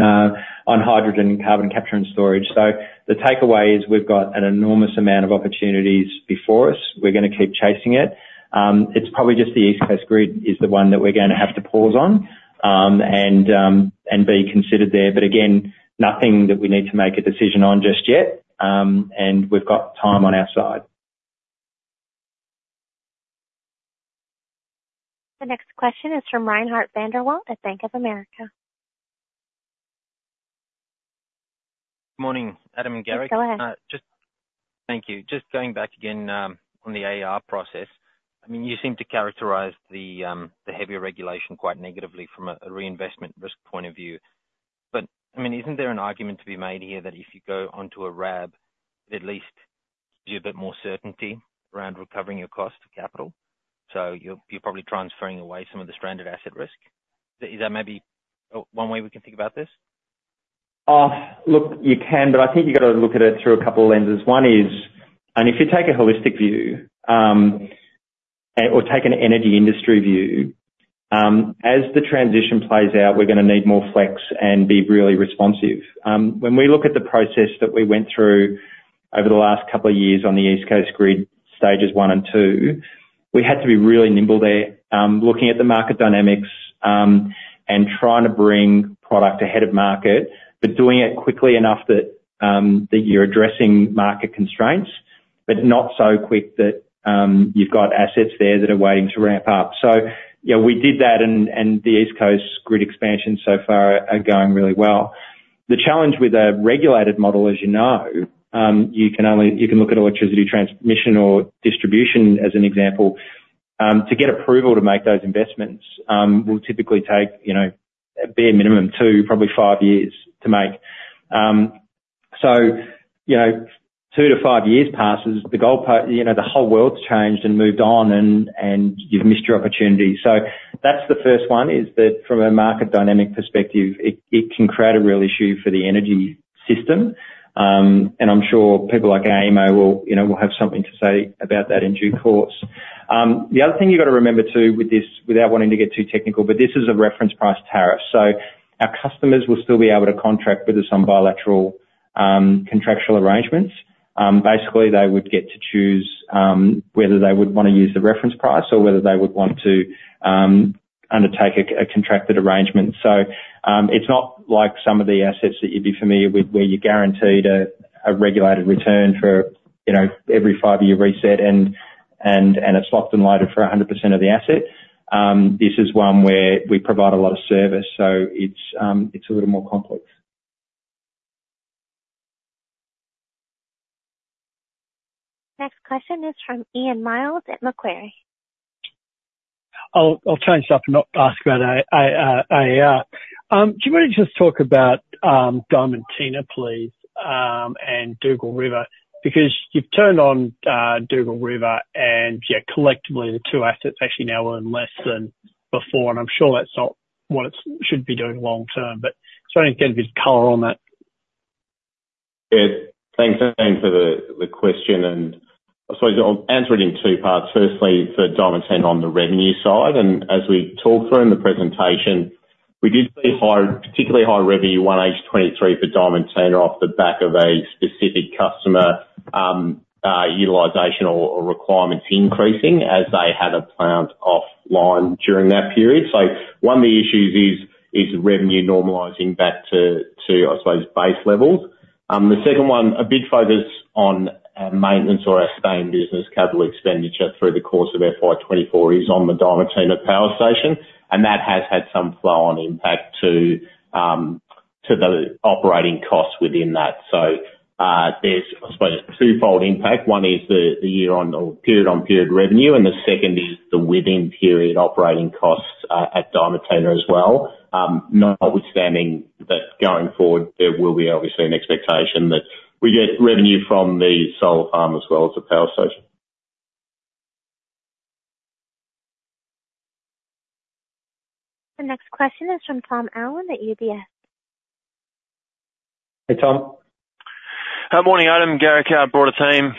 hydrogen and carbon capture and storage. So the takeaway is we've got an enormous amount of opportunities before us. We're going to keep chasing it. It's probably just the East Coast Grid is the one that we're going to have to pause on and be considered there. But again, nothing that we need to make a decision on just yet. And we've got time on our side. The next question is from Reinhard van der Walt at Bank of America. Good morning, Adam and Garrick. Yes, go ahead. Thank you. Just going back again on the AER process, I mean, you seem to characterise the heavier regulation quite negatively from a reinvestment risk point of view. But I mean, isn't there an argument to be made here that if you go onto a RAB, it at least gives you a bit more certainty around recovering your cost of capital? So you're probably transferring away some of the stranded asset risk. Is that maybe one way we can think about this? Look, you can, but I think you've got to look at it through a couple of lenses. One is, and if you take a holistic view or take an energy industry view, as the transition plays out, we're going to need more flex and be really responsive. When we look at the process that we went through over the last couple of years on the East Coast Grid stages one and two, we had to be really nimble there looking at the market dynamics and trying to bring product ahead of market, but doing it quickly enough that you're addressing market constraints, but not so quick that you've got assets there that are waiting to ramp up. So we did that, and the East Coast Grid expansion so far is going really well. The challenge with a regulated model, as you know, you can look at electricity transmission or distribution as an example. To get approval to make those investments will typically take a bare minimum two, probably five years to make. So two to five years passes, the whole world's changed and moved on, and you've missed your opportunity. So that's the first one, is that from a market dynamic perspective, it can create a real issue for the energy system. And I'm sure people like AEMO will have something to say about that in due course. The other thing you've got to remember too with this without wanting to get too technical, but this is a reference price tariff. So our customers will still be able to contract with us on bilateral contractual arrangements. Basically, they would get to choose whether they would want to use the reference price or whether they would want to undertake a contracted arrangement. So it's not like some of the assets that you'd be familiar with where you're guaranteed a regulated return for every five-year reset, and it's locked and loaded for 100% of the asset. This is one where we provide a lot of service. So it's a little more complex. Next question is from Ian Myles at Macquarie. I'll change stuff and not ask about AER. Do you mind if we just talk about Diamantina, please, and Dugald River? Because you've turned on Dugald River, and yeah, collectively, the two assets actually now earn less than before. And I'm sure that's not what it should be doing long term. But trying to get a bit of color on that. Yeah. Thanks, Ian, for the question. I suppose I'll answer it in two parts. Firstly, for Diamantina on the revenue side. As we talked through in the presentation, we did see particularly high revenue 1H23 for Diamantina off the back of a specific customer utilization or requirements increasing as they had a plant offline during that period. So one, the issue is revenue normalizing back to, I suppose, base levels. The second one, a big focus on our maintenance or our sustained business capital expenditure through the course of FY24 is on the Diamantina Power Station. And that has had some flow-on impact to the operating costs within that. So there's, I suppose, a twofold impact. One is the year-on or period-on-period revenue, and the second is the within-period operating costs at Diamantina as well, notwithstanding that going forward, there will be obviously an expectation that we get revenue from the solar farm as well as the power station. The next question is from Tom Allen at UBS. Hey, Tom. Good morning, Adam. Garrick, our broader team.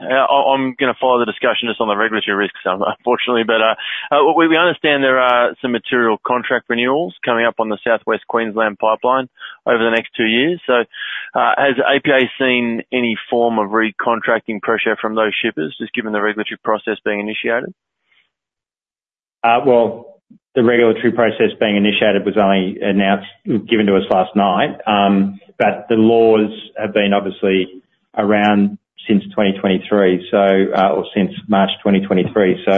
I'm going to follow the discussion just on the regulatory risks, unfortunately. But we understand there are some material contract renewals coming up on the South W West Queensland Pipeline over the next two years. So has APA seen any form of recontracting pressure from those shippers, just given the regulatory process being initiated? Well, the regulatory process being initiated was only given to us last night. But the laws have been obviously around since 2023 or since March 2023. So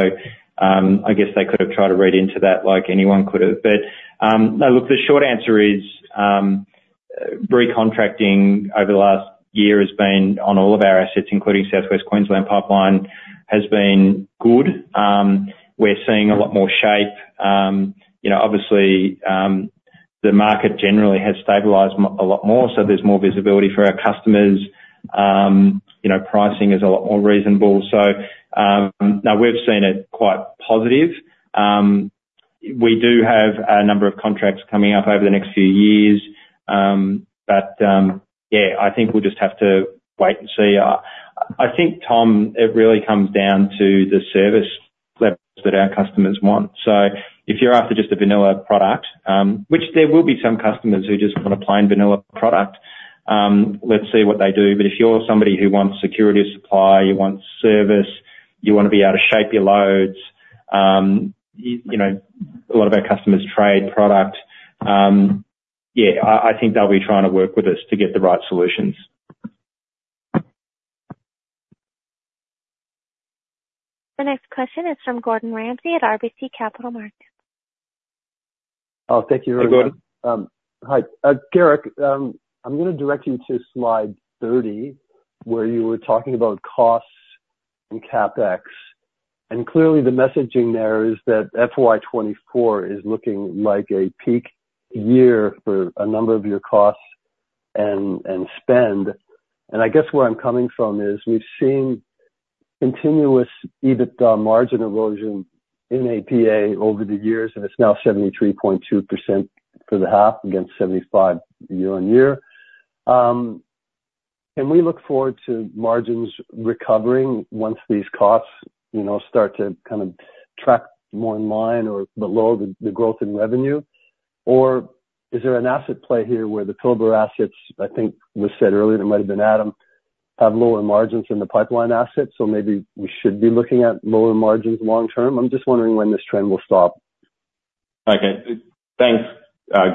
I guess they could have tried to read into that like anyone could have. But no, look, the short answer is recontracting over the last year has been on all of our assets, including South West Queensland Pipeline, has been good. We're seeing a lot more shape. Obviously, the market generally has stabilized a lot more. So there's more visibility for our customers. Pricing is a lot more reasonable. So no, we've seen it quite positive. We do have a number of contracts coming up over the next few years. But yeah, I think we'll just have to wait and see. I think, Tom, it really comes down to the service levels that our customers want. So if you're after just a vanilla product, which there will be some customers who just want a plain vanilla product, let's see what they do. But if you're somebody who wants security of supply, you want service, you want to be able to shape your loads, a lot of our customers trade product, yeah, I think they'll be trying to work with us to get the right solutions. The next question is from Gordon Ramsay at RBC Capital Markets. Oh, thank you very much. Hey, Gordon. Hi. Garrick, I'm going to direct you to Slide 30 where you were talking about costs and CapEx. Clearly, the messaging there is that FY24 is looking like a peak year for a number of your costs and spend. I guess where I'm coming from is we've seen continuous EBITDA margin erosion in APA over the years, and it's now 73.2% for the half against 75% year-over-year. Can we look forward to margins recovering once these costs start to kind of track more in line or below the growth in revenue? Or is there an asset play here where the Pilbara assets, I think was said earlier, and it might have been Adam, have lower margins than the pipeline assets? Maybe we should be looking at lower margins long term. I'm just wondering when this trend will stop. Okay. Thanks,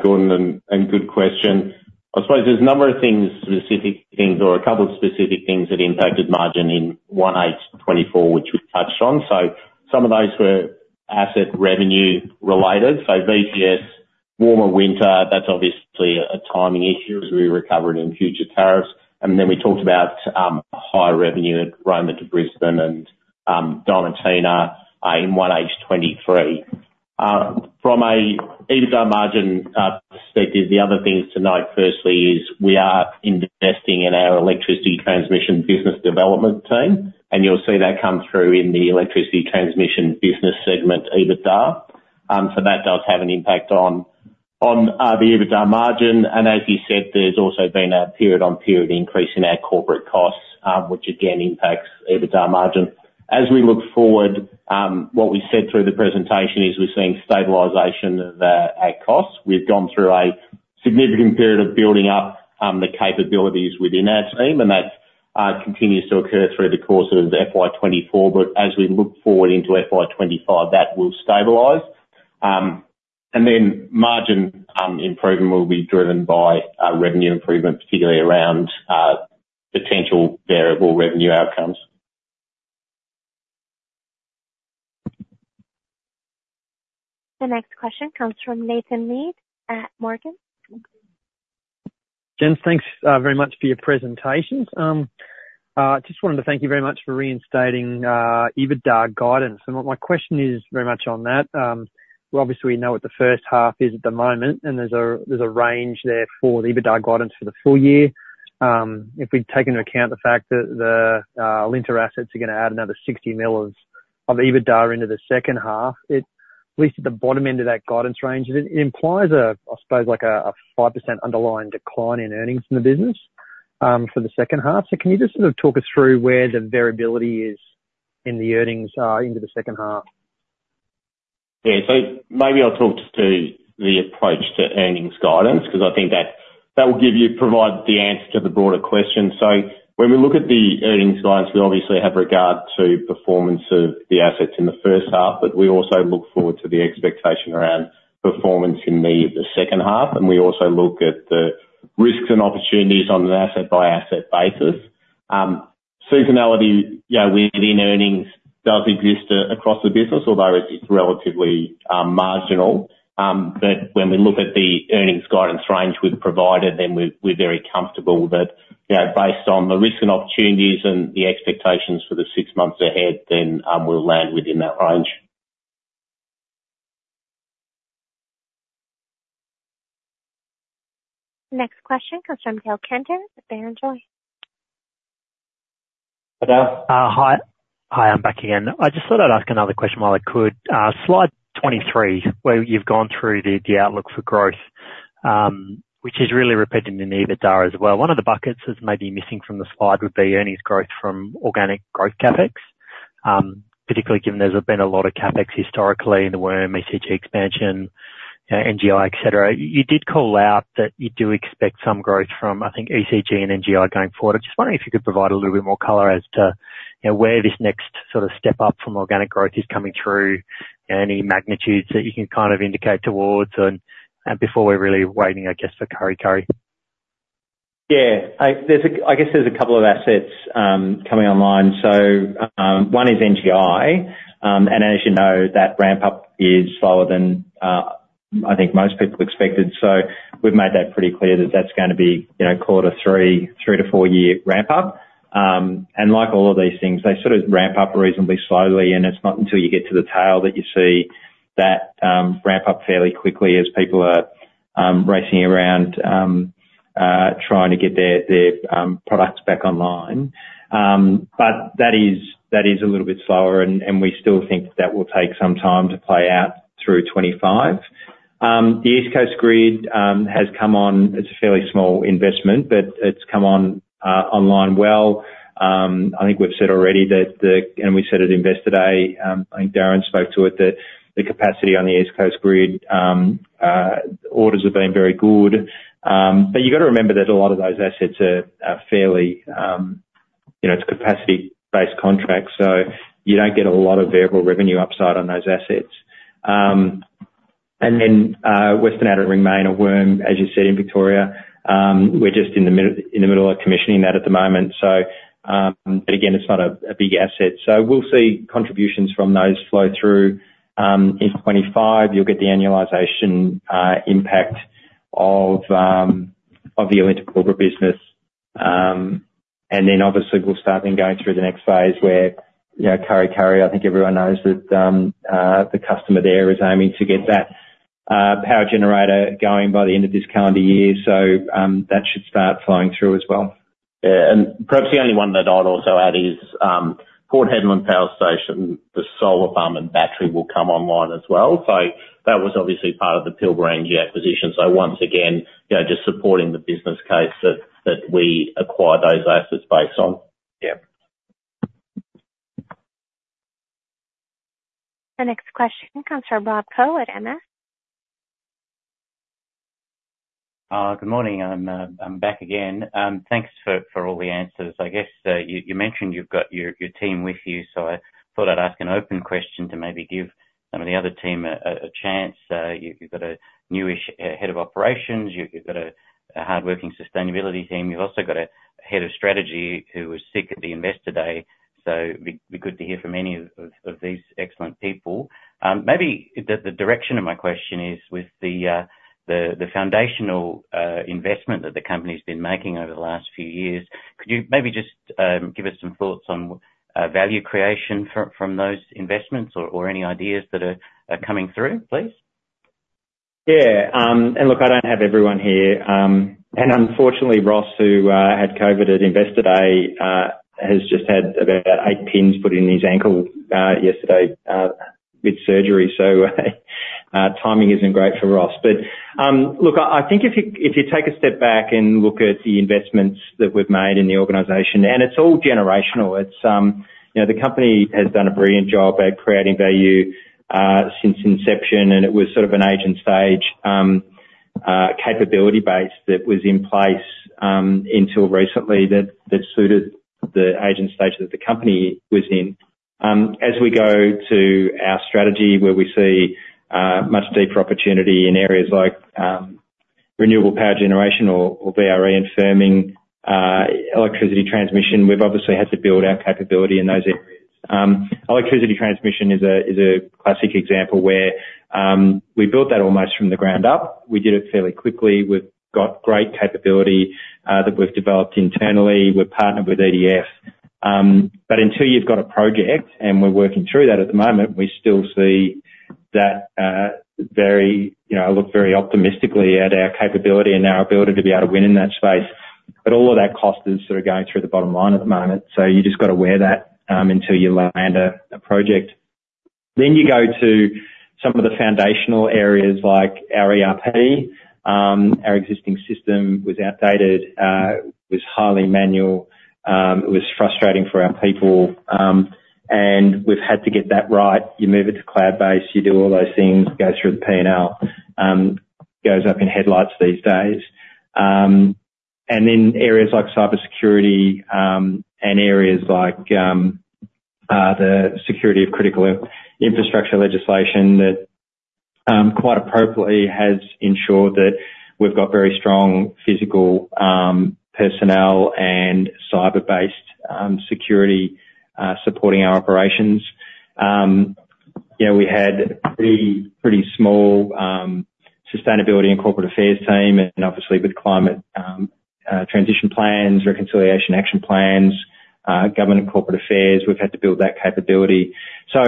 Gordon, and good question. I suppose there's a number of specific things or a couple of specific things that impacted margin in 1H2024, which we touched on. So some of those were asset revenue-related. So VTS, warmer winter, that's obviously a timing issue as we recover it in future tariffs. And then we talked about high revenue at Roma to Brisbane and Diamantina in 1H2023. From an EBITDA margin perspective, the other thing to note firstly is we are investing in our electricity transmission business development team. And you'll see that come through in the electricity transmission business segment EBITDA. So that does have an impact on the EBITDA margin. And as you said, there's also been a period-on-period increase in our corporate costs, which again impacts EBITDA margin. As we look forward, what we said through the presentation is we're seeing stabilization at costs. We've gone through a significant period of building up the capabilities within our team, and that continues to occur through the course of FY24. But as we look forward into FY25, that will stabilise. And then margin improvement will be driven by revenue improvement, particularly around potential variable revenue outcomes. The next question comes from Nathan Millar at JPMorgan. Jens, thanks very much for your presentation. I just wanted to thank you very much for reinstating EBITDA guidance. My question is very much on that. Obviously, we know what the first half is at the moment, and there's a range there for the EBITDA guidance for the full year. If we take into account the fact that the lateral assets are going to add another 60 million of EBITDA into the second half, at least at the bottom end of that guidance range, it implies, I suppose, a 5% underlying decline in earnings in the business for the second half. Can you just sort of talk us through where the variability is in the earnings into the second half? Yeah. So maybe I'll talk to the approach to earnings guidance because I think that will provide the answer to the broader question. So when we look at the earnings guidance, we obviously have regard to performance of the assets in the first half, but we also look forward to the expectation around performance in the second half. And we also look at the risks and opportunities on an asset-by-asset basis. Seasonality within earnings does exist across the business, although it's relatively marginal. But when we look at the earnings guidance range we've provided, then we're very comfortable that based on the risk and opportunities and the expectations for the six months ahead, then we'll land within that range. Next question comes from Dale Koenders at Barrenjoey. Hello. Hi. Hi. I'm back again. I just thought I'd ask another question while I could. Slide 23, where you've gone through the outlook for growth, which is really repeated in EBITDA as well. One of the buckets that's maybe missing from the slide would be earnings growth from organic growth CapEx, particularly given there's been a lot of CapEx historically in the WORM, ECG expansion, NGI, etc. You did call out that you do expect some growth from, I think, ECG and NGI going forward. I'm just wondering if you could provide a little bit more color as to where this next sort of step up from organic growth is coming through, any magnitudes that you can kind of indicate towards before we're really waiting, I guess, for Kurri Kurri. Yeah. I guess there's a couple of assets coming online. So one is NGI. And as you know, that ramp-up is slower than, I think, most people expected. So we've made that pretty clear that that's going to be quarter three, three to four-year ramp-up. And like all of these things, they sort of ramp up reasonably slowly. And it's not until you get to the tail that you see that ramp-up fairly quickly as people are racing around trying to get their products back online. But that is a little bit slower, and we still think that that will take some time to play out through 2025. The East Coast Grid has come on. It's a fairly small investment, but it's come online well. I think we've said already that the and we said it Investor Day. I think Darren spoke to it, that the capacity on the East Coast Grid, orders have been very good. But you've got to remember that a lot of those assets are fairly, it's capacity-based contracts, so you don't get a lot of variable revenue upside on those assets. And then Western Outer Ring Main or WORM, as you said in Victoria, we're just in the middle of commissioning that at the moment. But again, it's not a big asset. So we'll see contributions from those flow through in 2025. You'll get the annualization impact of the Alinta Pilbara business. And then obviously, we'll start then going through the next phase where Kurri Kurri. I think everyone knows that the customer there is aiming to get that power generator going by the end of this calendar year. So that should start flowing through as well. Yeah. And perhaps the only one that I'd also add is Port Hedland Power Station, the solar farm and battery will come online as well. So that was obviously part of the Pilbara Energy acquisition. So once again, just supporting the business case that we acquired those assets based on. Yeah. The next question comes from Rob Koh at MS. Good morning. I'm back again. Thanks for all the answers. I guess you mentioned you've got your team with you, so I thought I'd ask an open question to maybe give some of the other team a chance. You've got a newish head of operations. You've got a hardworking sustainability team. You've also got a head of strategy who was sick at the investor day. So it'd be good to hear from any of these excellent people. Maybe the direction of my question is with the foundational investment that the company's been making over the last few years, could you maybe just give us some thoughts on value creation from those investments or any ideas that are coming through, please? Yeah. And look, I don't have everyone here. And unfortunately, Ross, who had COVID at investor day, has just had about 8 pins put in his ankle yesterday with surgery. So timing isn't great for Ross. But look, I think if you take a step back and look at the investments that we've made in the organization and it's all generational. The company has done a brilliant job at creating value since inception, and it was sort of an infant stage capability base that was in place until recently that suited the infant stage that the company was in. As we go to our strategy where we see much deeper opportunity in areas like renewable power generation or VRE and firming electricity transmission, we've obviously had to build our capability in those areas. Electricity transmission is a classic example where we built that almost from the ground up. We did it fairly quickly. We've got great capability that we've developed internally. We've partnered with EDF. But until you've got a project, and we're working through that at the moment, we still see that very. I look very optimistically at our capability and our ability to be able to win in that space. But all of that cost is sort of going through the bottom line at the moment. So you just got to wear that until you land a project. Then you go to some of the foundational areas like our ERP. Our existing system was outdated, was highly manual. It was frustrating for our people. And we've had to get that right. You move it to cloud-based. You do all those things, go through the P&L, goes up in headlines these days. And then areas like cybersecurity and areas like the security of critical infrastructure legislation that quite appropriately has ensured that we've got very strong physical personnel and cyber-based security supporting our operations. We had a pretty small sustainability and corporate affairs team. And obviously, with climate transition plans, reconciliation action plans, government and corporate affairs, we've had to build that capability. So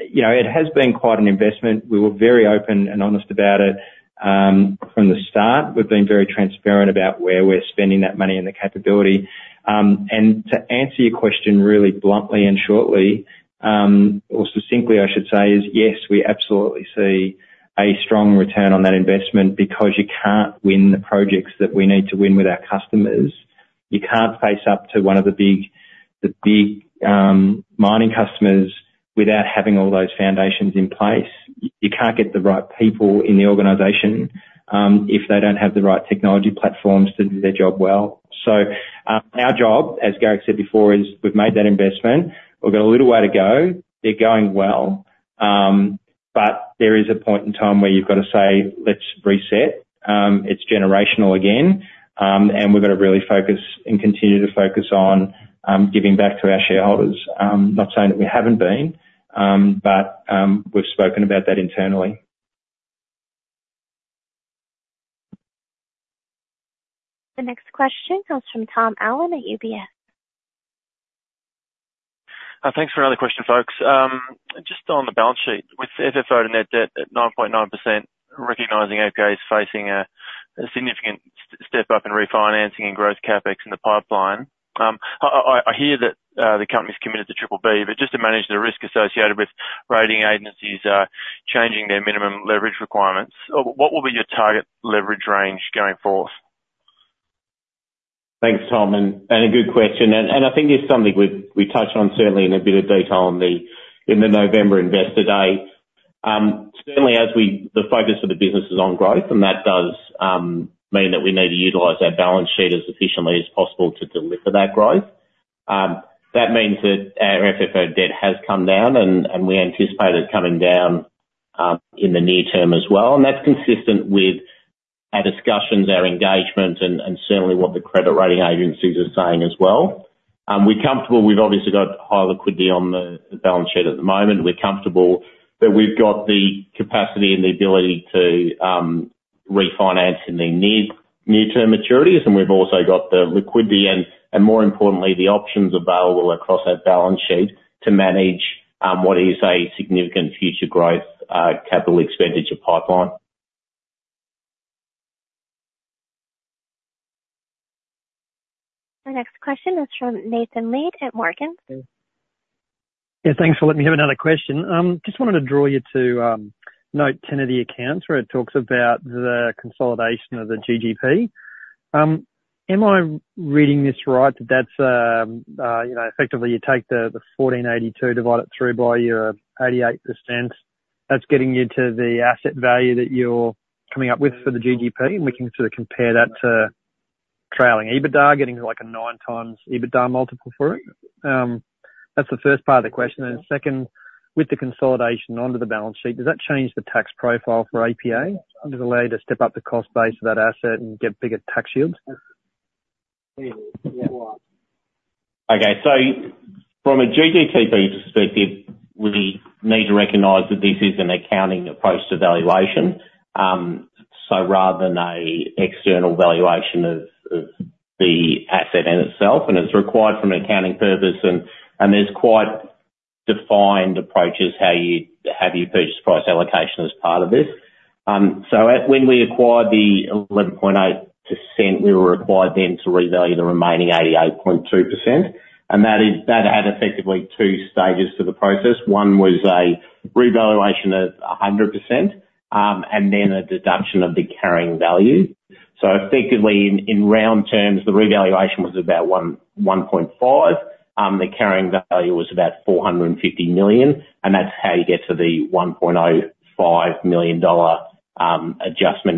it has been quite an investment. We were very open and honest about it from the start. We've been very transparent about where we're spending that money and the capability. And to answer your question really bluntly and shortly or succinctly, I should say, is yes, we absolutely see a strong return on that investment because you can't win the projects that we need to win with our customers. You can't face up to one of the big mining customers without having all those foundations in place. You can't get the right people in the organization if they don't have the right technology platforms to do their job well. So our job, as Garrick said before, is we've made that investment. We've got a little way to go. They're going well. But there is a point in time where you've got to say, "Let's reset." It's generational again. And we've got to really focus and continue to focus on giving back to our shareholders. Not saying that we haven't been, but we've spoken about that internally. The next question comes from Tom Allen at UBS. Thanks for another question, folks. Just on the balance sheet, with FFO to net debt at 9.9%, recognizing APA is facing a significant step up in refinancing and growth CapEx in the pipeline. I hear that the company's committed to BBB, but just to manage the risk associated with rating agencies changing their minimum leverage requirements, what will be your target leverage range going forth? Thanks, Tom. And a good question. And I think there's something we touched on certainly in a bit of detail in the November investor day. Certainly, the focus for the business is on growth, and that does mean that we need to utilize our balance sheet as efficiently as possible to deliver that growth. That means that our FFO debt has come down, and we anticipate it coming down in the near term as well. And that's consistent with our discussions, our engagement, and certainly what the credit rating agencies are saying as well. We're comfortable. We've obviously got high liquidity on the balance sheet at the moment. We're comfortable that we've got the capacity and the ability to refinance in the near-term maturities. We've also got the liquidity and, more importantly, the options available across our balance sheet to manage what is a significant future growth capital expenditure pipeline. Our next question is from Nathan Millar at JPMorgan. Yeah. Thanks for letting me have another question. Just wanted to draw you to note 10 of the accounts where it talks about the consolidation of the GGP. Am I reading this right that that's effectively, you take the 1,482, divide it through by your 88%. That's getting you to the asset value that you're coming up with for the GGP, and we can sort of compare that to trailing EBITDA, getting a 9x EBITDA multiple for it. That's the first part of the question. And second, with the consolidation onto the balance sheet, does that change the tax profile for APA? Does it allow you to step up the cost base of that asset and get bigger tax shields? Okay. So from a GGP perspective, we need to recognize that this is an accounting approach to valuation. So rather than an external valuation of the asset in itself. And it's required for an accounting purpose. And there's quite defined approaches how you purchase price allocation as part of this. So when we acquired the 11.8%, we were required then to revalue the remaining 88.2%. And that had effectively two stages to the process. One was a revaluation of 100% and then a deduction of the carrying value. So effectively, in round terms, the revaluation was about 1.5 billion. The carrying value was about 450 million. And that's how you get to the 1.05 billion dollar adjustment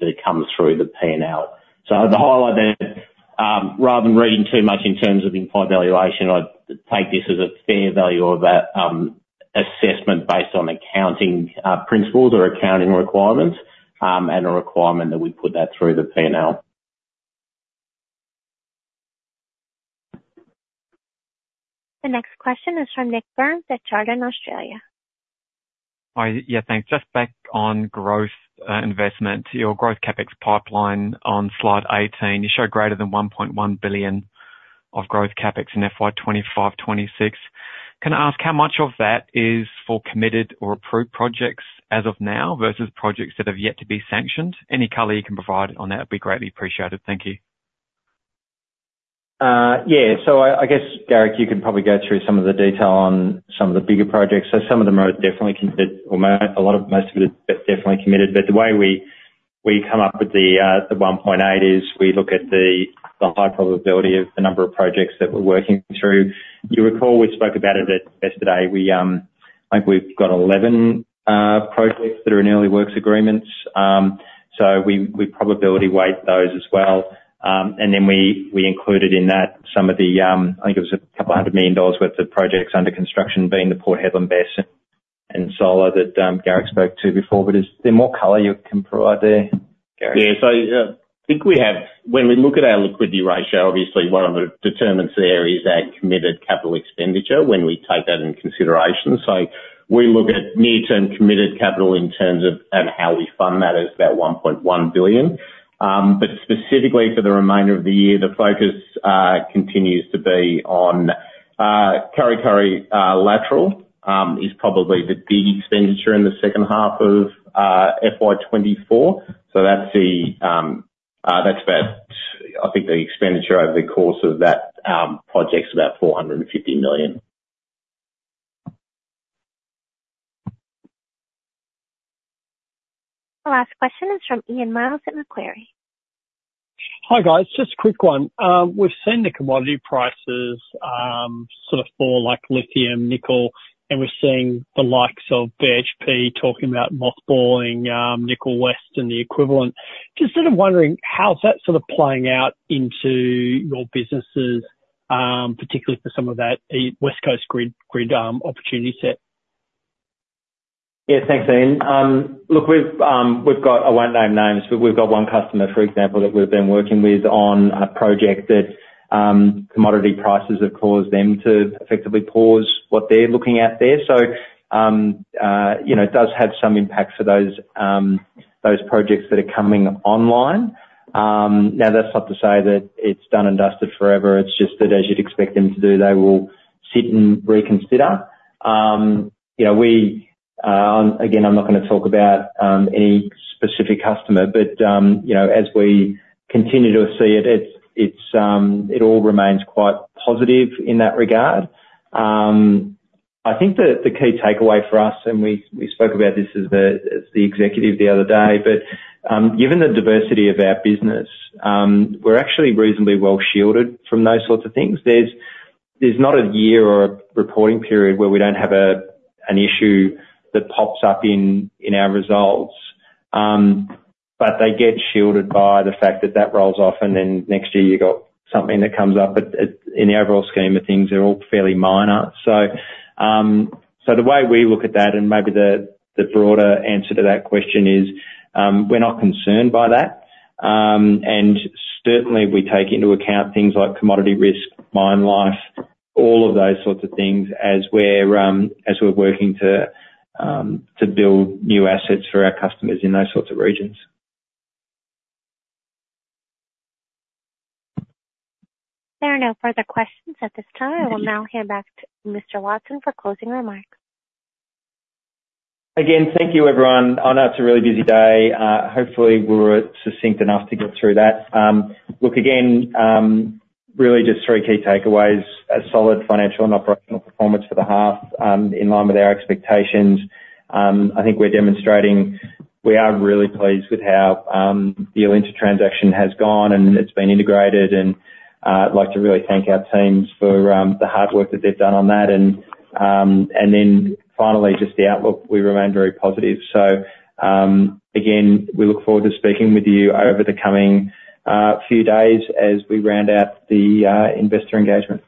that comes through the P&L. I'd highlight that rather than reading too much in terms of implied valuation, I'd take this as a fair value of that assessment based on accounting principles or accounting requirements and a requirement that we put that through the P&L. The next question is from Nick Burns at Charterhouse Australia. Yeah. Thanks. Just back on growth investment, your growth CapEx pipeline on Slide 18, you show greater than 1.1 billion of growth CapEx in FY25/26. Can I ask how much of that is for committed or approved projects as of now versus projects that have yet to be sanctioned? Any color you can provide on that would be greatly appreciated. Thank you. Yeah. So I guess, Garrick, you could probably go through some of the detail on some of the bigger projects. So some of them are definitely committed or most of it is definitely committed. But the way we come up with the 1.8 is we look at the high probability of the number of projects that we're working through. You recall we spoke about it at investor day. I think we've got 11 projects that are in early works agreements. So we probability weight those as well. And then we included in that some of the I think it was a couple hundred million AUD worth of projects under construction being the Port Hedland BESS and solar that Garrick spoke to before. But is there more color you can provide there, Garrick? Yeah. So I think when we look at our liquidity ratio, obviously, one of the determinants there is our committed capital expenditure when we take that into consideration. So we look at near-term committed capital in terms of and how we fund that is about 1.1 billion. But specifically for the remainder of the year, the focus continues to be on Kurri Kurri Lateral, is probably the big expenditure in the second half of FY24. So that's about I think the expenditure over the course of that project's about 450 million. Our last question is from Ian Myles at Macquarie. Hi, guys. Just a quick one. We've seen the commodity prices sort of fall like lithium, nickel. We're seeing the likes of BHP talking about mothballing Nickel West, and the equivalent. Just sort of wondering, how's that sort of playing out into your businesses, particularly for some of that West Coast grid opportunity set? Yeah. Thanks, Ian. Look, we've got, I won't name names, but we've got one customer, for example, that we've been working with on a project that commodity prices, of course, them to effectively pause what they're looking at there. So it does have some impact for those projects that are coming online. Now, that's not to say that it's done and dusted forever. It's just that as you'd expect them to do, they will sit and reconsider. Again, I'm not going to talk about any specific customer. But as we continue to see it, it all remains quite positive in that regard. I think the key takeaway for us, and we spoke about this as the executive the other day. But given the diversity of our business, we're actually reasonably well shielded from those sorts of things. There's not a year or a reporting period where we don't have an issue that pops up in our results. But they get shielded by the fact that that rolls off, and then next year, you've got something that comes up. But in the overall scheme of things, they're all fairly minor. So the way we look at that and maybe the broader answer to that question is we're not concerned by that. And certainly, we take into account things like commodity risk, mine life, all of those sorts of things as we're working to build new assets for our customers in those sorts of regions. There are no further questions at this time. I will now hand back to Mr. Watson for closing remarks. Again, thank you, everyone. I know it's a really busy day. Hopefully, we were succinct enough to get through that. Look, again, really just three key takeaways. A solid financial and operational performance for the half in line with our expectations. I think we're demonstrating we are really pleased with how the Alinta transaction has gone, and it's been integrated. And I'd like to really thank our teams for the hard work that they've done on that. And then finally, just the outlook. We remain very positive. So again, we look forward to speaking with you over the coming few days as we round out the investor engagement.